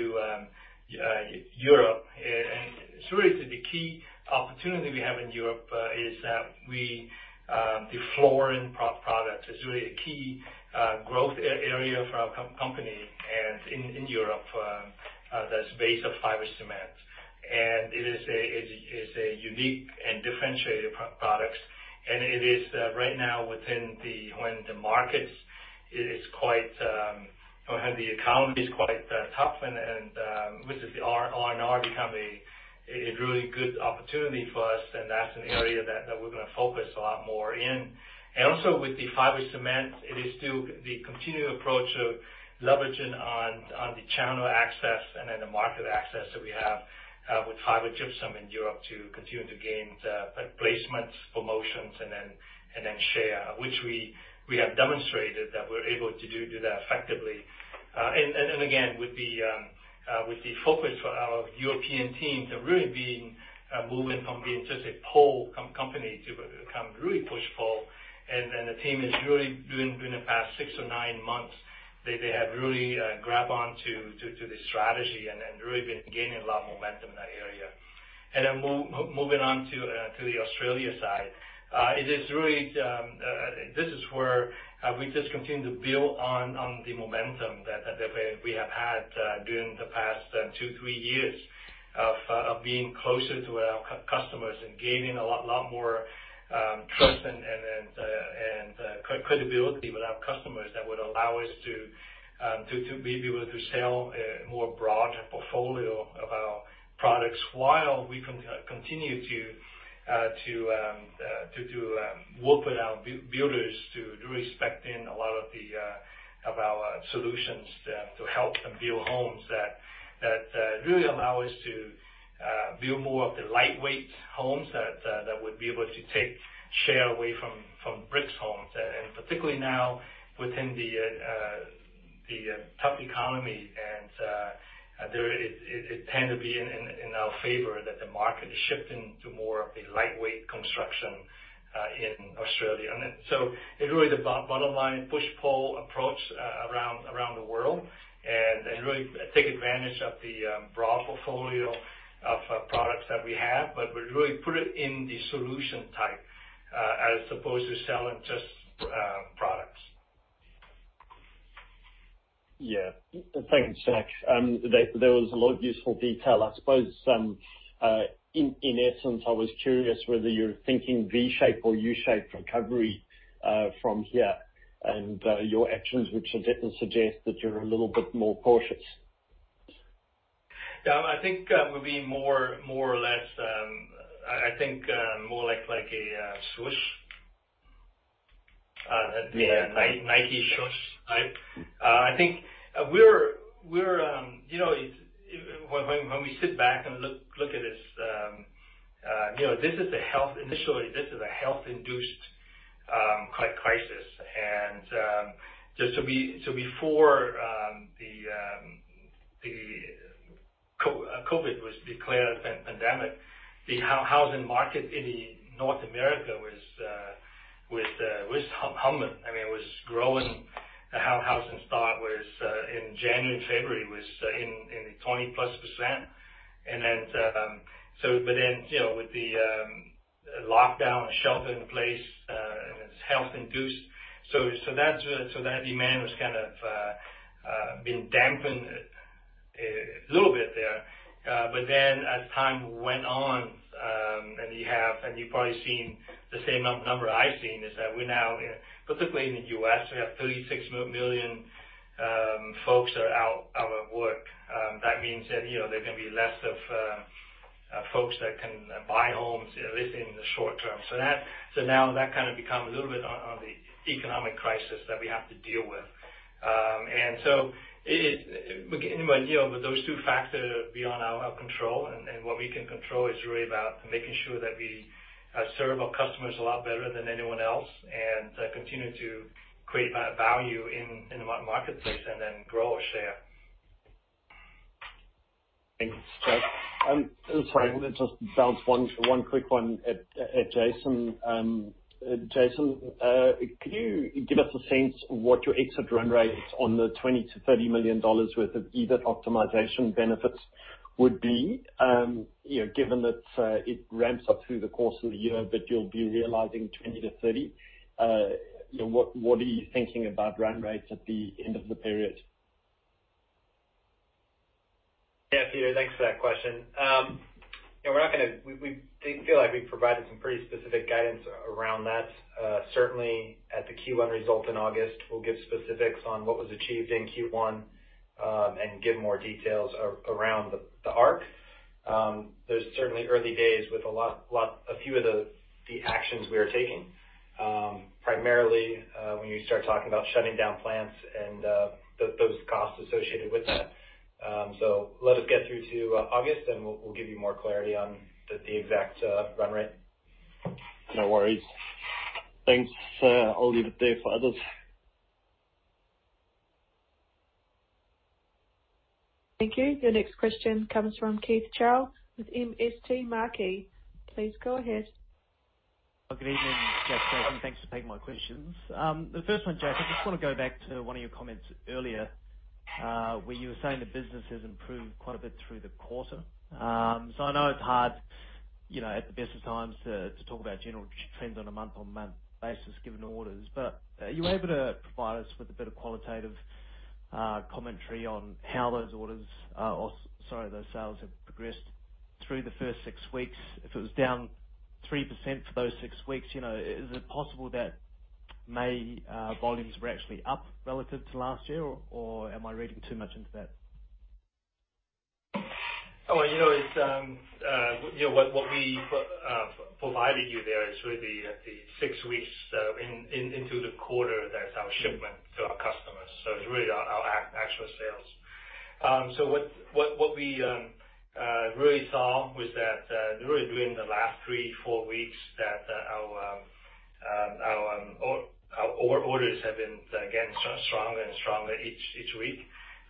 Europe, and it's really the key opportunity we have in Europe is that we the flooring product is really a key growth area for our company, and in Europe that's based on fiber cement. And it is a unique and differentiated products, and it is right now within the when the market is quite or the economy is quite tough and which is the R&R become a really good opportunity for us, and that's an area that we're gonna focus a lot more in. And also with the fiber cement, it is still the continuing approach of leveraging on the channel access and then the market access that we have with fiber gypsum in Europe to continue to gain placements, promotions, and then share. Which we have demonstrated that we're able to do that effectively. And again, with the focus for our European team to really being moving from being just a pull company to become really push-pull, and the team has really, during the past six or nine months, they have really grabbed on to the strategy and really been gaining a lot of momentum in that area. And then moving on to the Australia side, it is really this is where we just continue to build on the momentum that we have had during the past two three years of being closer to our customers and gaining a lot more trust and credibility with our customers that would allow us to be able to sell a more broad portfolio of our products, while we continue to do work with our builders to really spec in a lot of our solutions to help them build homes that really allow us to build more of the lightweight homes that would be able to take share away from brick homes. And particularly now, within the tough economy, and there it tend to be in our favor that the market is shifting to more of a lightweight construction in Australia. And then, so really the bottom line, push-pull approach around the world, and really take advantage of the broad portfolio of products that we have, but we really put it in the solution type as opposed to selling just products. Yeah. Thanks, Jack. There was a lot of useful detail. I suppose in essence, I was curious whether you're thinking V-shape or U-shaped recovery from here, and your actions, which are different, suggest that you're a little bit more cautious. Yeah, I think we'll be more or less. I think more like a swoosh. Yeah. The Nike swoosh type. I think, we're, you know, when we sit back and look at this, you know, this is a health. Initially, this is a health-induced crisis. And, just so before, the, the COVID was declared a pandemic, the housing market in North America was, was, humming. I mean, it was growing. The housing start was, in January and February, was, in, the 20+%. And then, so but then, you know, with the, lockdown and shelter in place, and it's health-induced, so, so that's, so that demand was kind of, been dampened, a little bit there. But then as time went on, and you have, and you've probably seen the same number I've seen, is that we're now particularly in the U.S., we have 36 million folks out of work. That means that, you know, there are gonna be less of folks that can buy homes, at least in the short term. So now that kind of become a little bit on the economic crisis that we have to deal with. And so it. We get an idea with those two factors are beyond our control, and what we can control is really about making sure that we serve our customers a lot better than anyone else, and continue to create value in the marketplace, and then grow our share. Thanks, Jack. Sorry, let's just bounce one quick one at Jason. Jason, could you give us a sense of what your exit run rate on the $20-$30 million worth of EBIT optimization benefits would be? You know, given that it ramps up through the course of the year, but you'll be realizing $20-$30 million. You know, what are you thinking about run rates at the end of the period? Yeah, Peter, thanks for that question. Yeah, we're not gonna. I feel like we've provided some pretty specific guidance around that. Certainly at the Q1 results in August, we'll give specifics on what was achieved in Q1, and give more details around the arc. There's certainly early days with a lot. A few of the actions we are taking, primarily when you start talking about shutting down plants and those costs associated with that. So let us get through to August, and we'll give you more clarity on the exact run rate. No worries. Thanks. I'll leave it there for others. Thank you. Your next question comes from Keith Chau with MST Marquee. Please go ahead. Good evening, Jack, Jason, thanks for taking my questions. The first one, Jason, I just wanna go back to one of your comments earlier, where you were saying the business has improved quite a bit through the quarter. So I know it's hard, you know, at the best of times, to talk about general trends on a month-on-month basis, given orders. But are you able to provide us with a bit of qualitative commentary on how those orders, or, sorry, those sales have progressed through the first six weeks? If it was down 3% for those six weeks, you know, is it possible that May volumes were actually up relative to last year, or am I reading too much into that? Oh, you know, it's you know, what we provided you there is really at the six weeks into the quarter. That's our shipment to our customers, so it's really our actual sales. So what we really saw was that really during the last three, four weeks, that our orders have been getting stronger and stronger each week.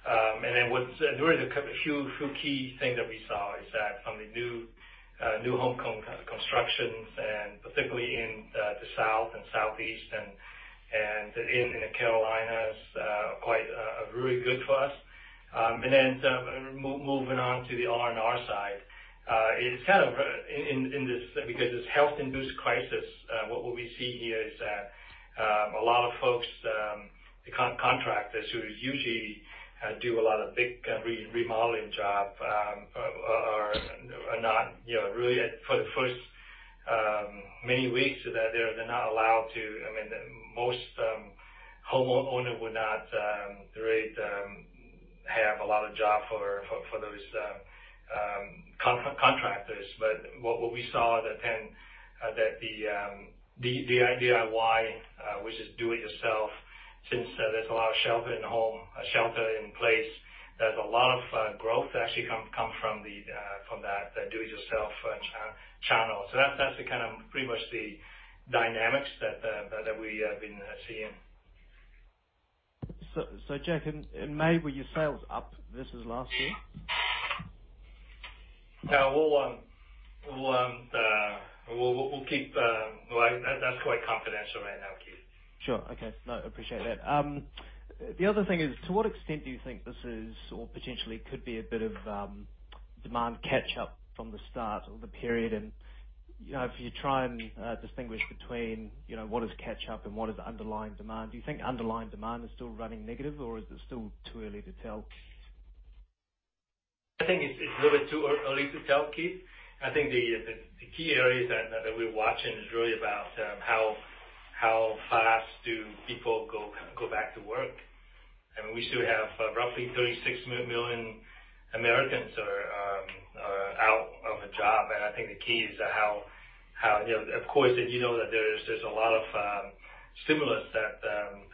And then what's really the few key things that we saw is that from the new home constructions, and particularly in the South and Southeast and in the Carolinas, quite really good for us. And then, moving on to the R&R side, it's kind of in this because this health-induced crisis, what we see here is that a lot of folks, the contractors who usually do a lot of big remodeling job, are not, you know, really at. For the first many weeks that they're not allowed to, I mean, most homeowner would not really have a lot of job for those contractors. But what we saw is that then that the DIY, which is Do It Yourself, since there's a lot of shelter in the home, shelter in place, there's a lot of growth that actually come from that, the do it yourself channel. That's the kind of pretty much the dynamics that we have been seeing. Jack, in May, were your sales up versus last year? We'll keep that quite confidential right now, Keith. Sure. Okay. No, appreciate that. The other thing is, to what extent do you think this is, or potentially could be a bit of, demand catch-up from the start or the period. You know, if you try and distinguish between, you know, what is catch up and what is underlying demand, do you think underlying demand is still running negative, or is it still too early to tell? I think it's a little bit too early to tell, Keith. I think the key areas that we're watching is really about how fast do people go back to work? And we still have roughly 36 million Americans are out of a job. And I think the key is how, you know, of course, as you know, that there is, there's a lot of stimulus that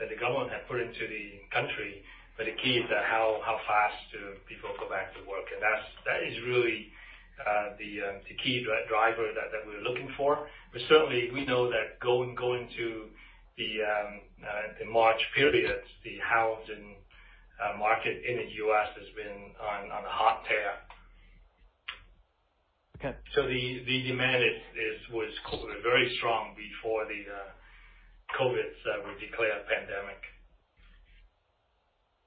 the government have put into the country. But the key is that how fast do people go back to work? And that's that is really the key driver that we're looking for. But certainly, we know that going to the March period, the housing market in the U.S. has been on a hot streak. Okay. So the demand was very strong before the COVID was declared a pandemic.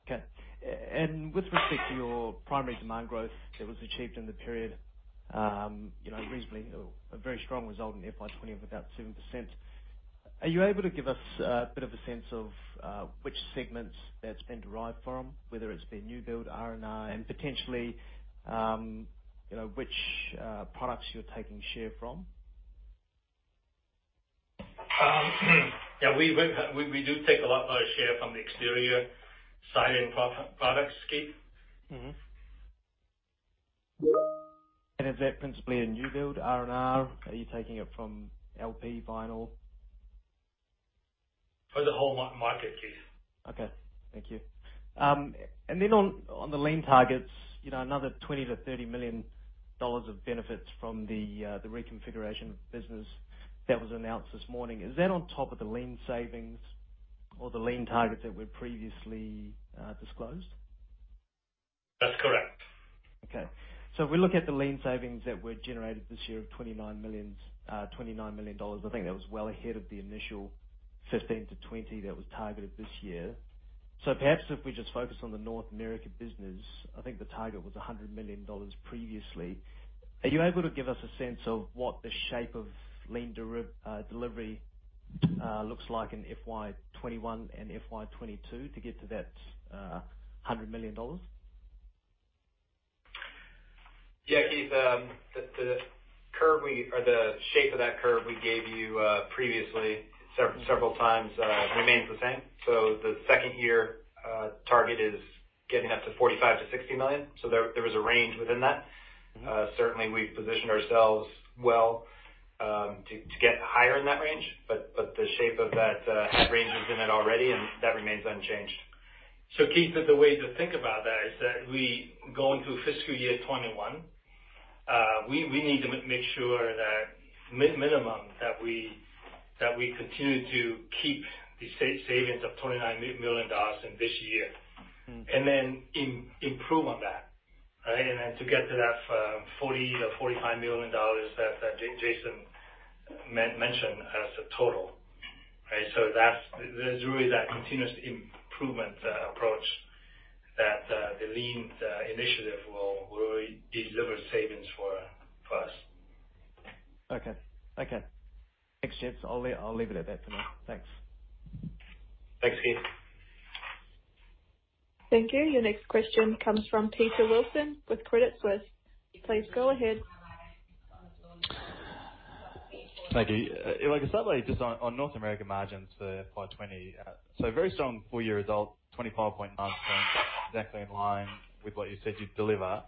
Okay, and with respect to your primary demand growth that was achieved in the period, you know, reasonably a very strong result in FY 2020 of about 2%. Are you able to give us a bit of a sense of which segments that's been derived from, whether it's been new build, R&R, and potentially, you know, which products you're taking share from? Yeah, we do take a lot of our share from the exterior siding products, Keith. Mm-hmm. And is that principally a new build, R&R? Are you taking it from LP, vinyl? For the whole market, Keith. Okay, thank you. And then on the Lean targets, you know, another $20 million-$30 million of benefits from the reconfiguration of business that was announced this morning. Is that on top of the Lean savings or the Lean targets that were previously disclosed? That's correct. Okay. So if we look at the Lean savings that were generated this year of $29 million, I think that was well ahead of the initial $15 million-$20 million that was targeted this year. So perhaps if we just focus on the North America business, I think the target was $100 million previously. Are you able to give us a sense of what the shape of Lean delivery looks like in FY 2021 and FY 2022 to get to that $100 million? Yeah, Keith, the curve we, or the shape of that curve we gave you, previously several times, remains the same. So the second year target is getting up to $45-60 million. So there was a range within that. Mm-hmm. Certainly we've positioned ourselves well to get higher in that range, but the shape of that range is in it already, and that remains unchanged. So, Keith, the way to think about that is that we go into fiscal year 2021. We need to make sure that minimum, that we continue to keep the savings of $29 million in this year. Mm. And then improve on that, right? And then to get to that $40-$45 million that Jason mentioned as a total. Right? So that's. There's really that continuous improvement approach that the Lean initiative will really deliver savings for us. Okay. Okay. Thanks, Jason. I'll leave it at that for now. Thanks. Thanks, Keith. Thank you. Your next question comes from Peter Wilson with Credit Suisse. Please go ahead. Thank you. Like, to start just on, on North America margins for FY 2020. So very strong full year result, 25.9%, exactly in line with what you said you'd deliver.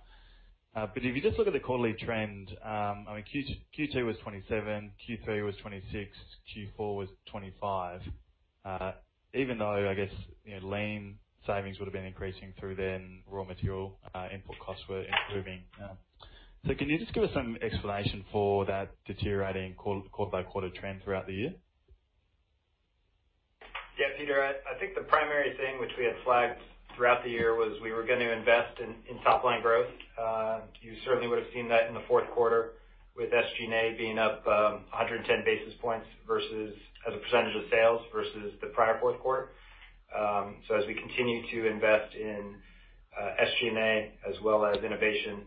But if you just look at the quarterly trend, I mean, Q2 was 27%, Q3 was 26%, Q4 was 25%. Even though, I guess, you know, Lean savings would have been increasing through then, raw material input costs were improving. So can you just give us some explanation for that deteriorating quarter by quarter trend throughout the year? Yeah, Peter, I think the primary thing which we had flagged throughout the year was we were going to invest in top line growth. You certainly would have seen that in the fourth quarter with SG&A being up 110 basis points versus as a percentage of sales versus the prior fourth quarter, so as we continue to invest in SG&A as well as innovation,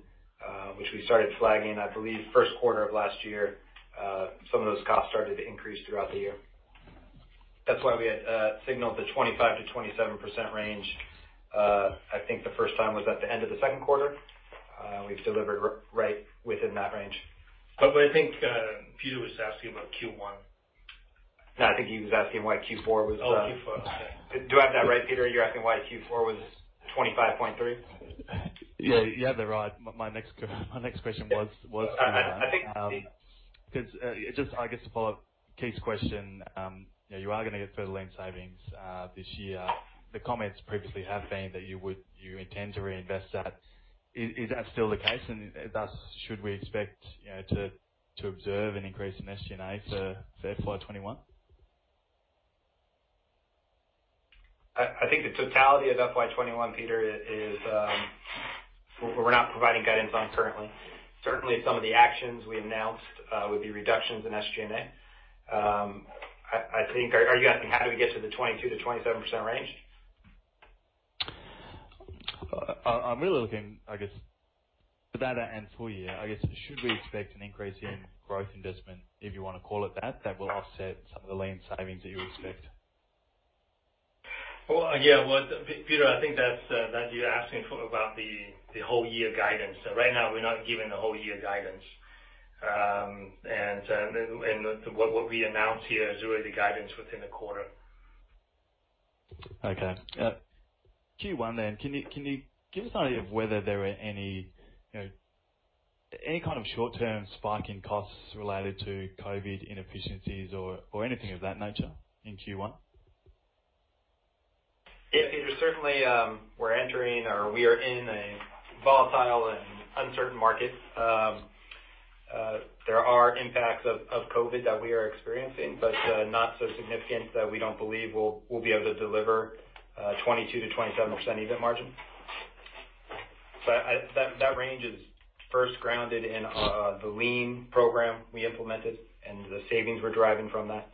which we started flagging, I believe, first quarter of last year, some of those costs started to increase throughout the year. That's why we had signaled the 25%-27% range. I think the first time was at the end of the second quarter. We've delivered right within that range. But I think, Peter was asking about Q1. No, I think he was asking why Q4 was- Oh, Q4. Okay. Do I have that right, Peter? You're asking why Q4 was 25.3? Yeah, you have that right. My next question was- I think. Because, just, I guess, to follow up Keith's question, you know, you are gonna get further Lean savings this year. The comments previously have been that you intend to reinvest that. Is that still the case? And, thus, should we expect, you know, to observe an increase in SG&A for FY 2021? I think the totality of FY 2021, Peter, is we're not providing guidance on currently. Certainly, some of the actions we announced would be reductions in SG&A. I think... Are you asking how do we get to the 22%-27% range? I'm really looking, I guess, for that, and full year, I guess, should we expect an increase in growth investment, if you wanna call it that, that will offset some of the Lean savings that you expect? Peter, I think that's what you're asking about the whole year guidance. So right now, we're not giving the whole year guidance, and what we announce here is really the guidance within the quarter. Okay. Q1 then, can you give us an idea of whether there are any, you know, any kind of short-term spike in costs related to COVID inefficiencies or anything of that nature in Q1? Yeah, Peter, certainly, we're entering or we are in a volatile and uncertain market. There are impacts of COVID that we are experiencing, but not so significant that we don't believe we'll be able to deliver 22% to 27% EBIT margin. So I, that range is first grounded in the Lean program we implemented and the savings we're driving from that.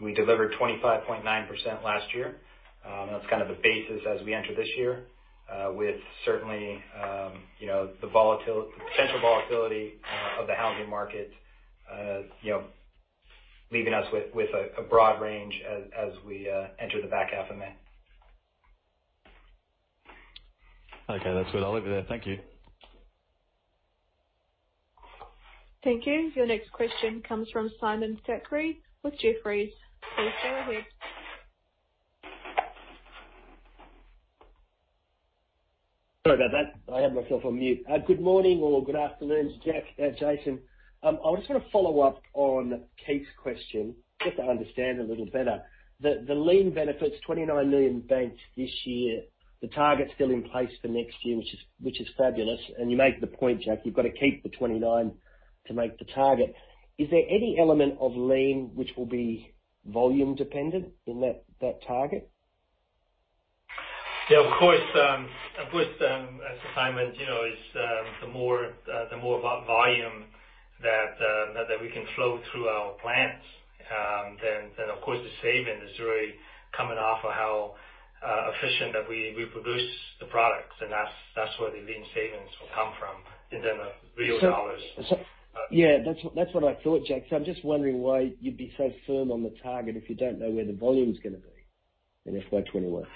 We delivered 25.9% last year. That's kind of the basis as we enter this year, with certainly, you know, the potential volatility of the housing market, you know, leaving us with a broad range as we enter the back half of May. Okay, that's good. I'll leave it there. Thank you. Thank you. Your next question comes from Simon Thackray with Jefferies. Please go ahead. Sorry about that. I had myself on mute. Good morning or good afternoon, Jack, Jason. I just wanna follow up on Keith's question, just to understand a little better. The Lean benefit's 29 million banked this year. The target's still in place for next year, which is fabulous, and you make the point, Jack, you've gotta keep the 29 to make the target. Is there any element of Lean which will be volume dependent in that target? Yeah, of course. Of course, as Simon, you know, is the more volume that we can flow through our plants, then of course the saving is really coming off of how efficient that we produce the products, and that's where the Lean savings will come from in terms of real dollars. So yeah, that's what I thought, Jack. So I'm just wondering why you'd be so firm on the target if you don't know where the volume's gonna be in FY 2021?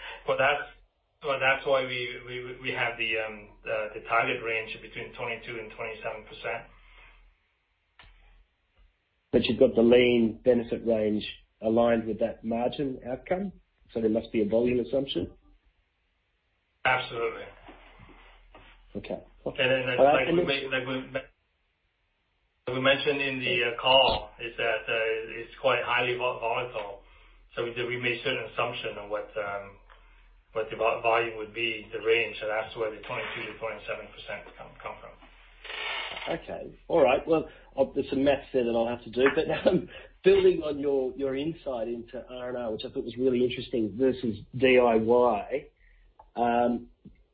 That's why we have the target range between 22% and 27%. But you've got the Lean benefit range aligned with that margin outcome, so there must be a volume assumption? Absolutely. Okay. And then, like we m- Okay. Like we mentioned in the call, is that it's quite highly volatile. So we made certain assumption on what the volume would be, the range, and that's where the 22%-27% comes from. Okay. All right. Well, there's some math there that I'll have to do. But, building on your insight into R&R, which I thought was really interesting, versus DIY,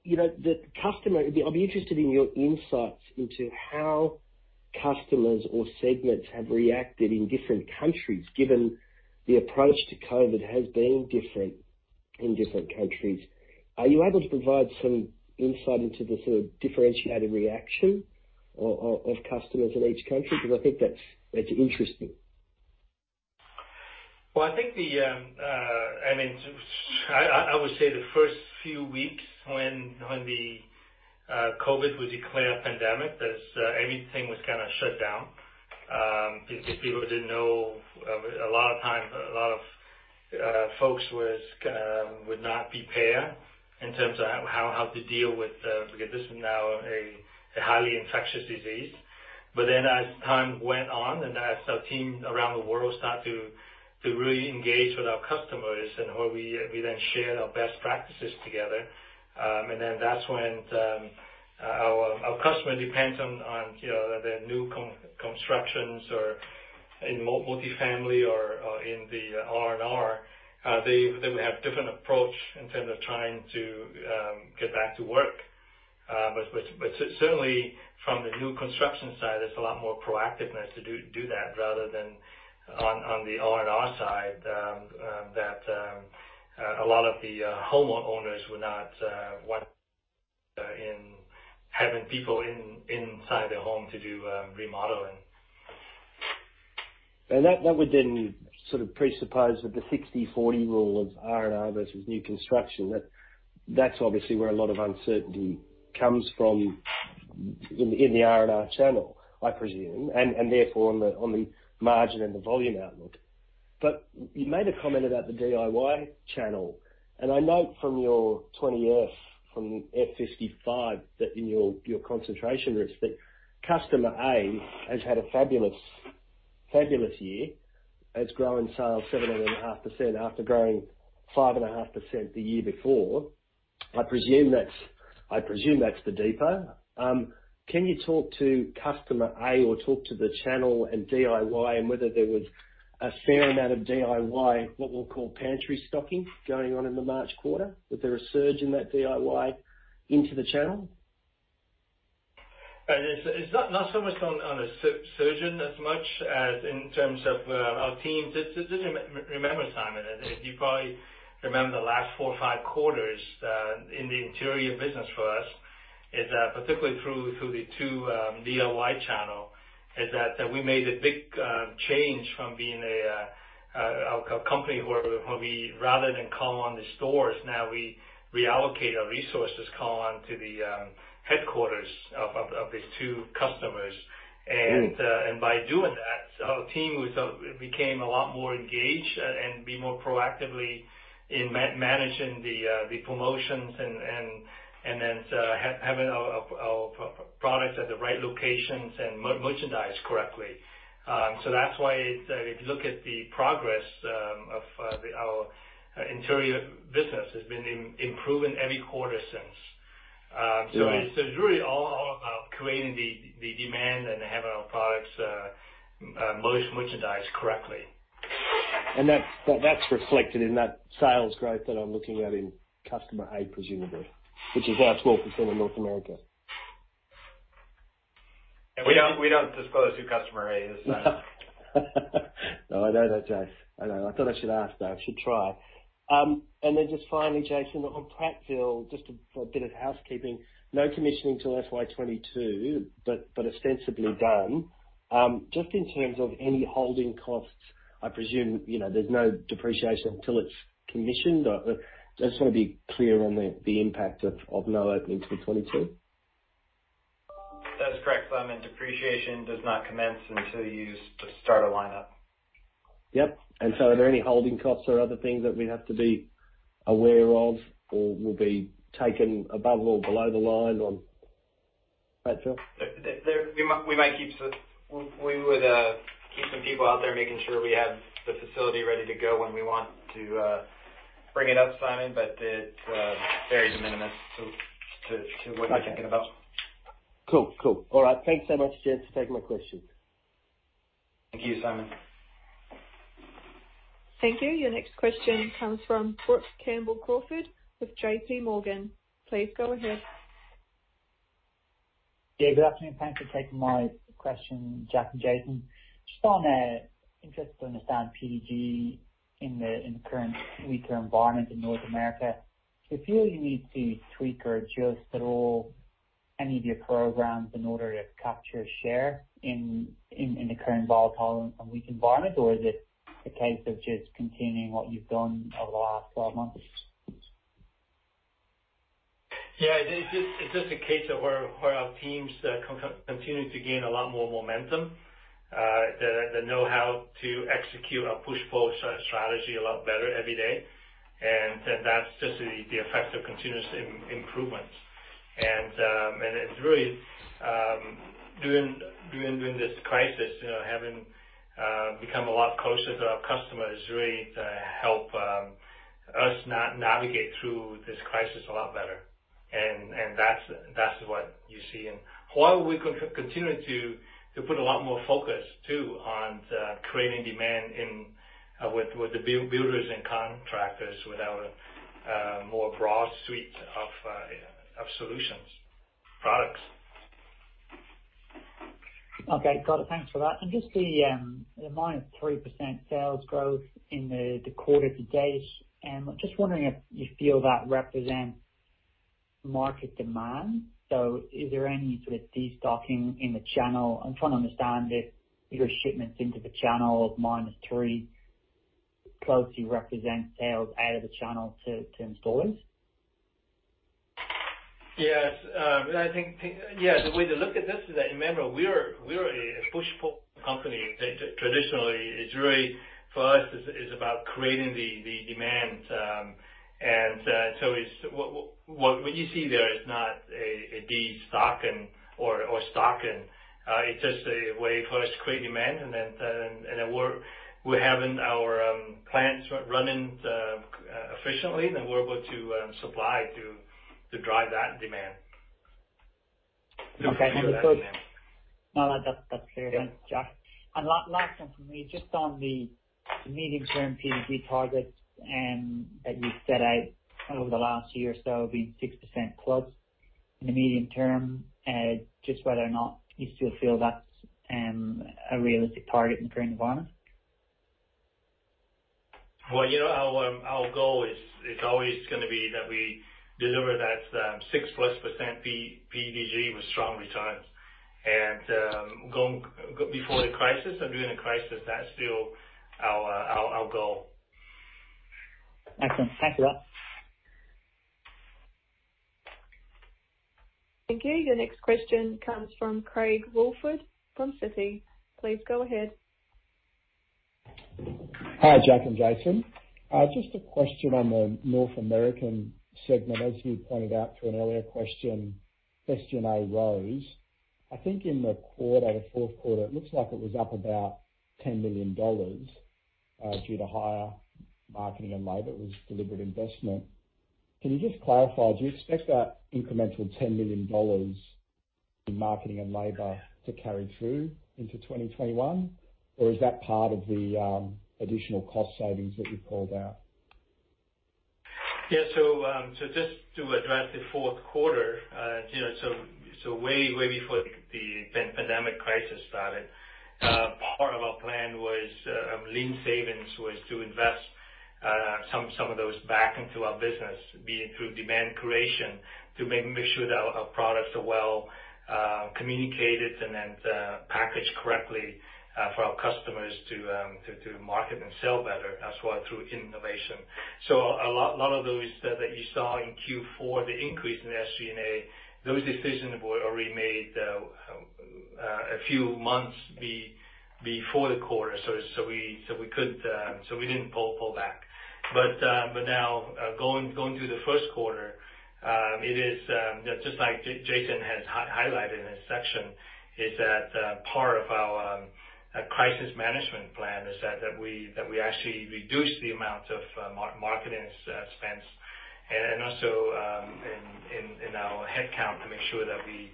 you know, the customer... I'd be interested in your insights into how customers or segments have reacted in different countries, given the approach to COVID has been different in different countries. Are you able to provide some insight into the sort of differentiated reaction of customers in each country? Because I think that's interesting. Well, I think the, I mean, I would say the first few weeks when the COVID was declared a pandemic, there's everything was kind of shut down. People didn't know a lot of time, a lot of folks would not be prepared in terms of how to deal with because this is now a highly infectious disease. But then as time went on, and as our team around the world start to really engage with our customers and where we then shared our best practices together, and then that's when our customer depends on, you know, the new constructions or in multifamily or in the R&R, they would have different approach in terms of trying to get back to work. But certainly from the new construction side, there's a lot more proactiveness to do that, rather than on the R&R side, a lot of the homeowners were not wanting to have people inside their home to do remodeling. That would then sort of presuppose that the 60/40 rule of R&R versus new construction. That's obviously where a lot of uncertainty comes from in the R&R channel, I presume, and therefore on the margin and the volume outlook. But you made a comment about the DIY channel, and I note from your 20-F, from F-55, that in your concentration risks, that Customer A has had a fabulous, fabulous year. It's grown in sales 7.5% after growing 5.5% the year before. I presume that's the Depot. Can you talk to Customer A or talk to the channel and DIY and whether there was a fair amount of DIY, what we'll call pantry stocking, going on in the March quarter? Was there a surge in that DIY into the channel? And it's not so much on the surface as much as in terms of our team. Just remember, Simon, as if you probably remember the last four or five quarters in the interior business for us is that particularly through the two DIY channel that we made a big change from being a company where we rather than call on the stores, now we reallocate our resources call on to the headquarters of these two customers. Mm. By doing that, our team became a lot more engaged and be more proactively in managing the promotions and then having our products at the right locations and merchandised correctly. So that's why, if you look at the progress of our interior business, has been improving every quarter since. Yeah. So it's really all about creating the demand and having our products merchandised correctly. That's, but that's reflected in that sales growth that I'm looking at in Customer A, presumably, which is up 12% in North America? We don't disclose who Customer A is, Simon. No, I know that, Jason. I know. I thought I should ask, though. I should try. And then just finally, Jason, on Prattville, just a bit of housekeeping. No commissioning until FY 2022, but ostensibly done. Just in terms of any holding costs, I presume, you know, there's no depreciation until it's commissioned. I just want to be clear on the impact of no openings till 2022. That is correct, Simon. Depreciation does not commence until you start a line up. Yep. And so are there any holding costs or other things that we have to be aware of or will be taken above or below the line on Prattville? There. We might keep some. We would keep some people out there making sure we have the facility ready to go when we want to bring it up, Simon, but it's very de minimis to what you're thinking about. Cool. Cool. All right. Thanks so much, gents, for taking my questions. Thank you, Simon. Thank you. Your next question comes from Brook Campbell-Crawford with J.P. Morgan. Please go ahead. Yeah, good afternoon. Thanks for taking my question, Jack and Jason. Just on, interested to understand PDG in the current retail environment in North America. Do you feel you need to tweak or adjust at all any of your programs in order to capture share in the current volatile and weak environment? Or is it a case of just continuing what you've done over the last 12 months? Yeah, it's just a case of where our teams continuing to gain a lot more momentum. They know how to execute our push-pull strategy a lot better every day, and that's just the effects of continuous improvements. And it's really during this crisis, you know, having become a lot closer to our customers really help us navigate through this crisis a lot better. And that's what you see. And while we continue to put a lot more focus, too, on creating demand with the builders and contractors with our more broad suite of solutions, products. Okay, got it. Thanks for that. And just the -3% sales growth in the quarter to date, I'm just wondering if you feel that represents market demand. So is there any sort of destocking in the channel? I'm trying to understand if your shipments into the channel of -3% closely represents sales out of the channel to installers. Yes. I think, yeah, the way to look at this is that, remember, we are a push-pull company. Traditionally, it's really, for us, is about creating the demand. And so it's what you see there is not a destocking or stocking. It's just a way for us to create demand, and then we're having our plants running efficiently, and we're able to supply to drive that demand. Okay. And so- No, that's clear, then, Jack. And last one for me, just on the medium-term PDG targets that you set out over the last year or so, being 6%+ in the medium term, just whether or not you still feel that's a realistic target in current environment? You know, our goal is always gonna be that we deliver that 6+% PDG with strong returns. And going before the crisis and during the crisis, that's still our goal. Excellent. Thank you for that. Thank you. Your next question comes from Craig Woolford from Citi. Please go ahead. Hi, Jack and Jason. Just a question on the North American segment. As you pointed out to an earlier question. I think in the quarter, the fourth quarter, it looks like it was up about $10 million due to higher marketing and labor. It was deliberate investment. Can you just clarify, do you expect that incremental $10 million in marketing and labor to carry through into 2021? Or is that part of the additional cost savings that you called out? Yeah, so, so just to address the fourth quarter, you know, so, way before the pandemic crisis started, part of our plan was, Lean savings was to invest, some of those back into our business, be it through demand creation, to make sure that our products are well communicated and then packaged correctly for our customers to market and sell better, as well through innovation. So a lot of those that you saw in Q4, the increase in SG&A, those decisions were already made, a few months before the quarter. So we could, so we didn't pull back. But now, going through the first quarter, it is just like Jason has highlighted in his section, that part of our crisis management plan is that we actually reduce the amount of marketing spends, and also in our headcount, to make sure that we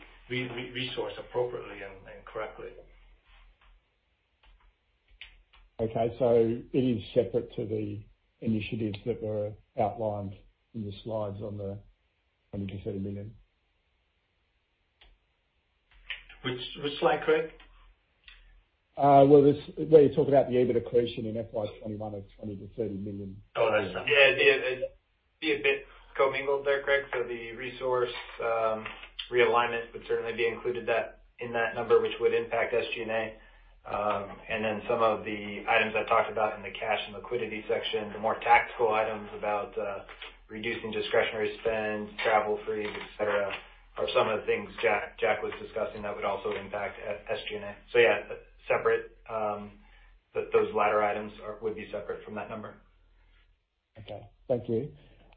resource appropriately and correctly. Okay. So it is separate to the initiatives that were outlined in the slides on the $20 million-$30 million? Which slide, Craig? Well, it's where you're talking about the EBITDA accretion in FY 2021 of $20-$30 million. Oh, that's- Yeah, it'd be a bit commingled there, Craig. So the resource realignment would certainly be included in that number, which would impact SG&A. And then some of the items I talked about in the cash and liquidity section, the more tactical items about reducing discretionary spend, travel freeze, et cetera, are some of the things Jack was discussing, that would also impact SG&A. So yeah, separate, but those latter items would be separate from that number. Okay. Thank you.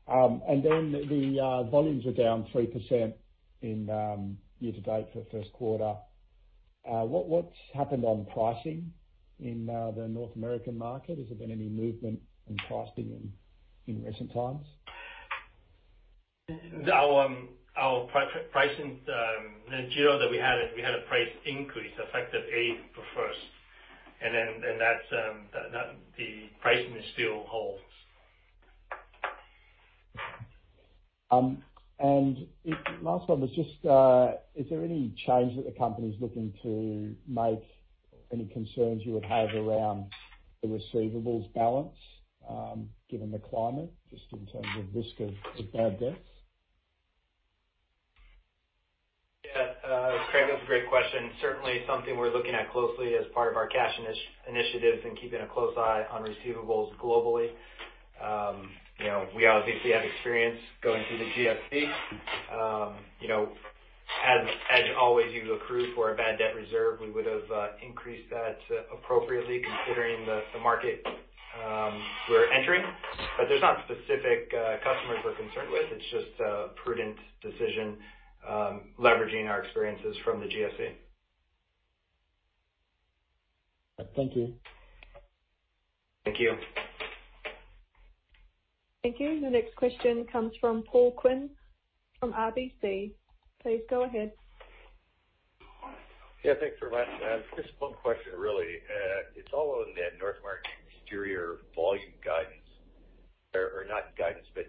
And then the volumes are down 3% in year-to-date for the first quarter. What's happened on pricing in the North American market? Has there been any movement in pricing in recent times? Our pricing, you know, that we had a price increase, effective April 1st, and then, and that's that. The pricing still holds. And last one is just, is there any change that the company's looking to make? Any concerns you would have around the receivables balance, given the climate, just in terms of risk of bad debts? Yeah, Craig, that's a great question. Certainly something we're looking at closely as part of our cash initiatives and keeping a close eye on receivables globally. You know, we obviously have experience going through the GFC. You know, as always, you accrue for a bad debt reserve, we would have increased that appropriately, considering the market we're entering. But there's not specific customers we're concerned with. It's just a prudent decision, leveraging our experiences from the GFC. Thank you. Thank you. Thank you. The next question comes from Paul Quinn, from RBC. Please go ahead. Yeah, thanks very much. Just one question really. It's all on the North American exterior volume guidance, or, or not guidance, but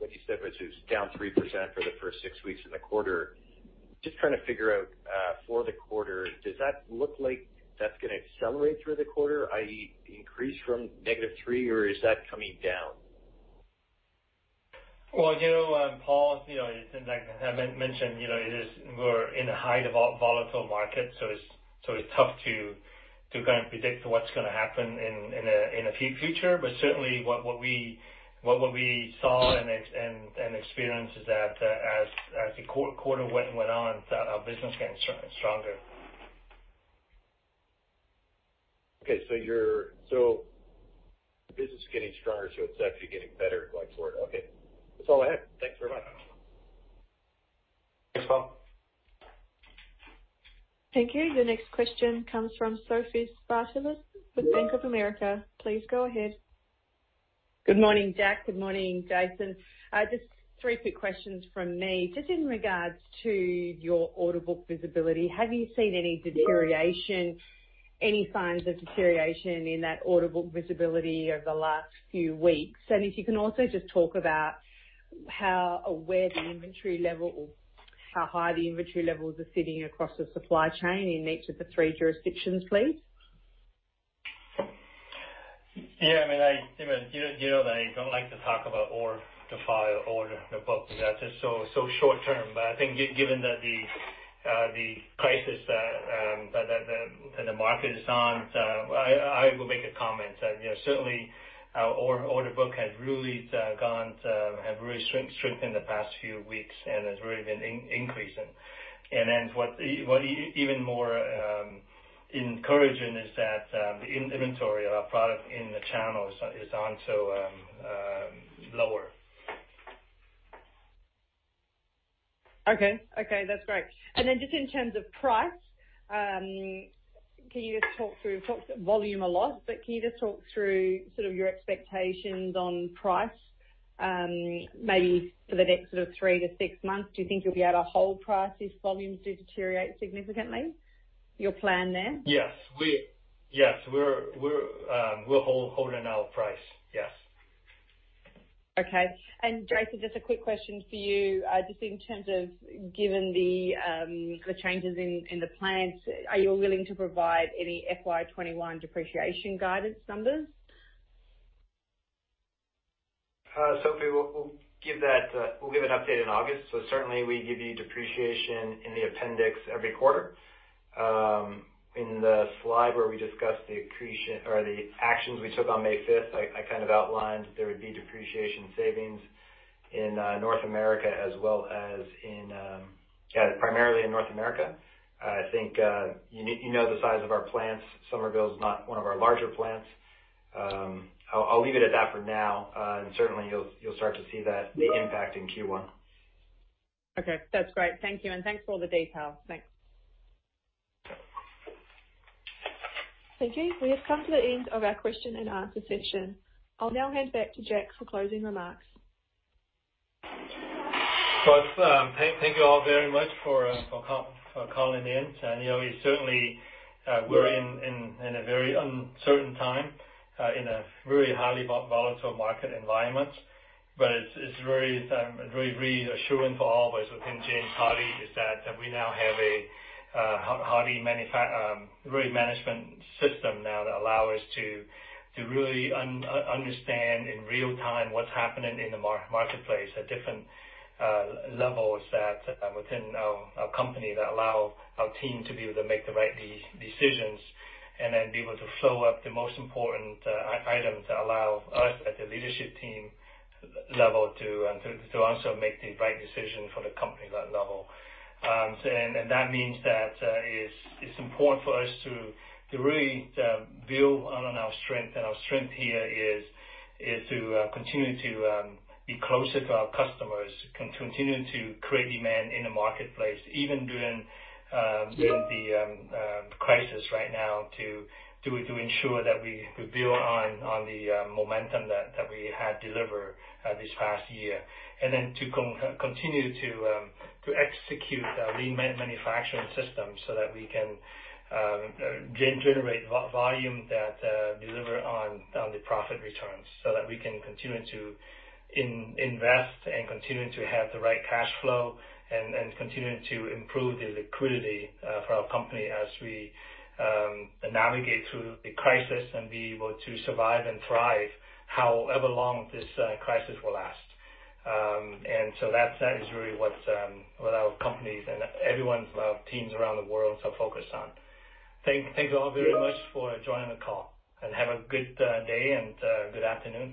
like you said, it was down 3% for the first six weeks in the quarter. Just trying to figure out, for the quarter, does that look like that's gonna accelerate through the quarter, i.e., increase from -3%, or is that coming down? You know, Paul, you know, like I mentioned, you know, it is, we're in a high volatile market, so it's tough to kind of predict what's gonna happen in the future. But certainly what we saw and experienced is that, as the quarter went on, our business getting stronger. Okay, so business is getting stronger, so it's actually getting better going forward. Okay. That's all I had. Thanks very much. Thanks, Paul. Thank you. The next question comes from Sophie Spartalis with Bank of America. Please go ahead. Good morning, Jack. Good morning, Jason. Just three quick questions from me. Just in regards to your order book visibility, have you seen any deterioration, any signs of deterioration in that order book visibility over the last few weeks? And if you can also just talk about how or where the inventory level, or how high the inventory levels are sitting across the supply chain in each of the three jurisdictions, please. Yeah, I mean, you know, I don't like to talk about the order book, that's just so short term. But I think given that the crisis that the market is on, I will make a comment. You know, certainly our order book has really strengthened the past few weeks and has really been increasing. And then even more encouraging is that the inventory of our product in the channel is onto lower. Okay. Okay, that's great. And then just in terms of price, can you just talk through sort of your expectations on price, maybe for the next sort of 3-6 months? Do you think you'll be able to hold prices if volumes do deteriorate significantly, your plan there? Yes. We're holding our price. Yes. Okay. And Jason, just a quick question for you. Just in terms of given the changes in the plans, are you willing to provide any FY 2021 depreciation guidance numbers? Sophie, we'll give that. We'll give an update in August, so certainly we give you depreciation in the appendix every quarter. In the slide where we discussed the accretion or the actions we took on May fifth, I kind of outlined that there would be depreciation savings in North America as well as in, yeah, primarily in North America. I think you know the size of our plants. Summerville is not one of our larger plants. I'll leave it at that for now, and certainly you'll start to see that, the impact in Q1. Okay. That's great. Thank you, and thanks for all the detail. Thanks. Thank you. We have come to the end of our question and answer session. I'll now hand back to Jack for closing remarks. So, thank you all very much for calling in. And, you know, we certainly, we're in a very uncertain time, in a very highly volatile market environment. But it's very reassuring for all of us within James Hardie is that we now have a Hardie Management System now that allow us to really understand in real time what's happening in the marketplace at different levels that within our company, that allow our team to be able to make the right decisions, and then be able to flow up the most important item to allow us at the leadership team level to also make the right decision for the company level. And that means that it's important for us to really build on our strength, and our strength here is to continue to be closer to our customers, continue to create demand in the marketplace, even during the crisis right now, to ensure that we build on the momentum that we had delivered this past year. And then to continue to execute our Lean manufacturing system so that we can generate volume that deliver on the profit returns, so that we can continue to invest and continue to have the right cash flow and continue to improve the liquidity for our company as we navigate through the crisis and be able to survive and thrive however long this crisis will last. And so that is really what our company and everyone teams around the world are focused on. Thank you all very much for joining the call, and have a good day and good afternoon.